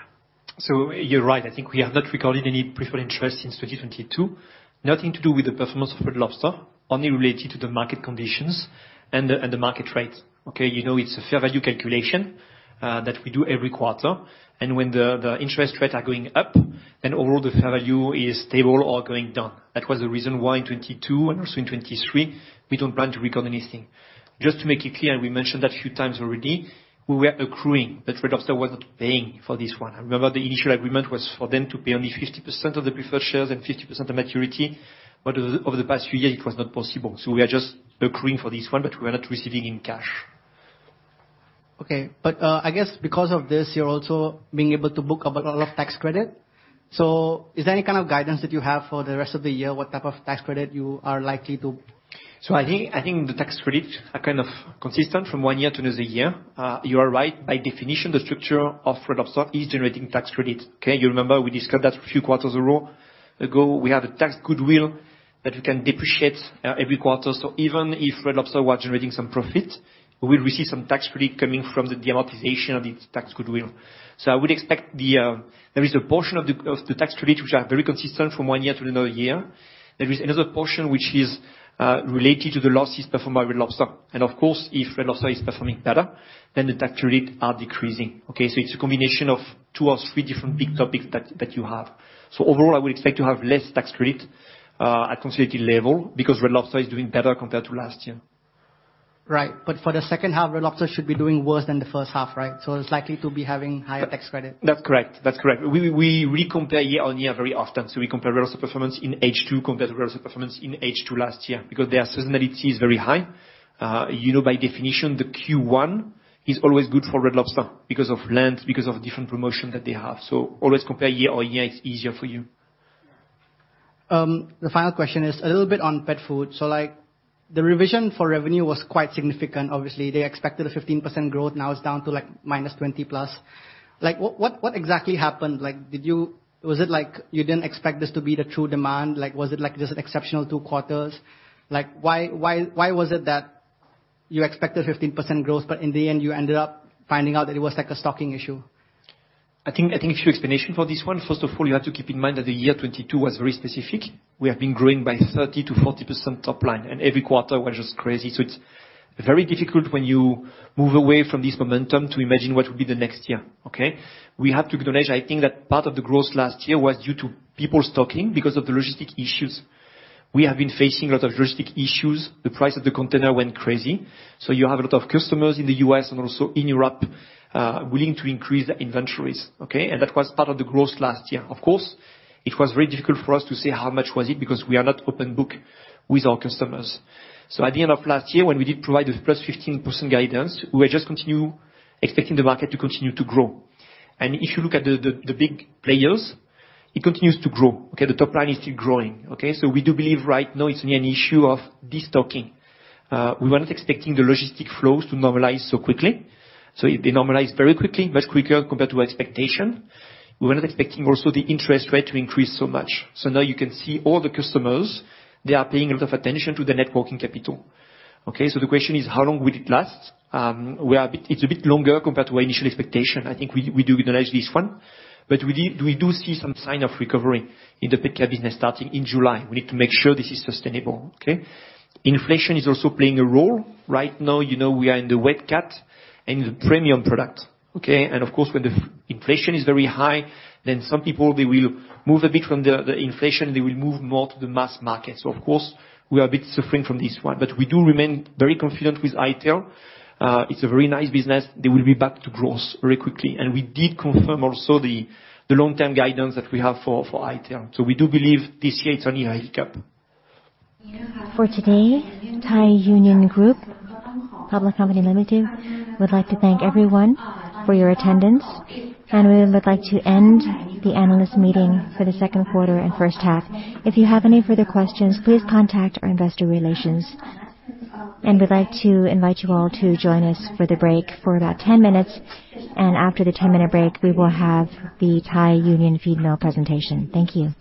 You're right. I think we have not recorded any preferred interest since 2022. Nothing to do with the performance of Red Lobster, only related to the market conditions and the market rate. Okay. You know, it's a fair value calculation that we do every quarter, and when the interest rates are going up, then overall the fair value is stable or going down. That was the reason why in 2022 and also in 2023, we don't plan to record anything. Just to make it clear, and we mentioned that a few times already, we were accruing, but Red Lobster was not paying for this one. Remember, the initial agreement was for them to pay only 50% of the preferred shares and 50% the maturity, but over the past few years, it was not possible. We are just accruing for this one, but we are not receiving in cash. Okay. I guess because of this, you're also being able to book a lot of tax credit? Is there any kind of guidance that you have for the rest of the year? What type of tax credit you are likely to? I think the tax credits are kind of consistent from one year to another year. You are right. By definition, the structure of Red Lobster is generating tax credits. Okay? You remember we discussed that a few quarters ago. We have a tax goodwill that we can depreciate every quarter. Even if Red Lobster were generating some profit, we will receive some tax credit coming from the amortization of its tax goodwill. I would expect the there is a portion of the tax credits which are very consistent from one year to another year. There is another portion which is related to the losses performed by Red Lobster. Of course, if Red Lobster is performing better, then the tax credit are decreasing. Okay? It's a combination of 2 or 3 different big topics that, that you have. Overall, I would expect to have less tax credit at consolidated level, because Red Lobster is doing better compared to last year. Right. For the second half, Red Lobster should be doing worse than the first half, right? It's likely to be having higher tax credit. That's correct. That's correct. We, we re-compare year-on-year very often, so we compare Red Lobster performance in H2 compared to Red Lobster performance in H2 last year, because their seasonality is very high. You know, by definition, the Q1 is always good for Red Lobster because of Lent, because of different promotion that they have. Always compare year-on-year, it's easier for you. The final question is a little bit on pet food. The revision for revenue was quite significant. Obviously, they expected a 15% growth, now it is down to minus 20%+. What exactly happened? Was it you didn't expect this to be the true demand? Was it just an exceptional two quarters? Why was it that you expected 15% growth, but in the end, you ended up finding out that it was a stocking issue? I think, I think a few explanation for this one. First of all, you have to keep in mind that the year 2022 was very specific. We have been growing by 30%-40% top line. Every quarter was just crazy. It's very difficult when you move away from this momentum to imagine what would be the next year, okay? We have to acknowledge, I think, that part of the growth last year was due to people stocking because of the logistic issues. We have been facing a lot of logistic issues. The price of the container went crazy. You have a lot of customers in the US and also in Europe, willing to increase their inventories, okay? That was part of the growth last year. Of course, it was very difficult for us to say how much was it, because we are not open book with our customers. At the end of last year, when we did provide the +15% guidance, we were just expecting the market to continue to grow. If you look at the big players, it continues to grow, okay? The top line is still growing, okay? We do believe right now it's only an issue of destocking. We were not expecting the logistic flows to normalize so quickly, so they normalized very quickly, much quicker compared to our expectation. We were not expecting also the interest rate to increase so much. Now you can see all the customers, they are paying a lot of attention to the net working capital. Okay? The question is, how long will it last? We are a bit longer compared to our initial expectation. I think we, we do acknowledge this one, but we do see some sign of recovery in the pet care business starting in July. We need to make sure this is sustainable, okay? Inflation is also playing a role. Right now, you know, we are in the wet cat and in the premium product, okay? Of course, when the inflation is very high, then some people, they will move a bit from the inflation, they will move more to the mass market. Of course, we are a bit suffering from this one, but we do remain very confident with i-Tail. It's a very nice business. They will be back to growth very quickly. We did confirm also the long-term guidance that we have for i-Tail. We do believe this year it's only a hiccup. For today, Thai Union Group Public Company Limited would like to thank everyone for your attendance. We would like to end the analyst meeting for the second quarter and first half. If you have any further questions, please contact our investor relations. We'd like to invite you all to join us for the break for about 10 minutes, and after the 10-minute break, we will have the Thai Union Feedmill presentation. Thank you.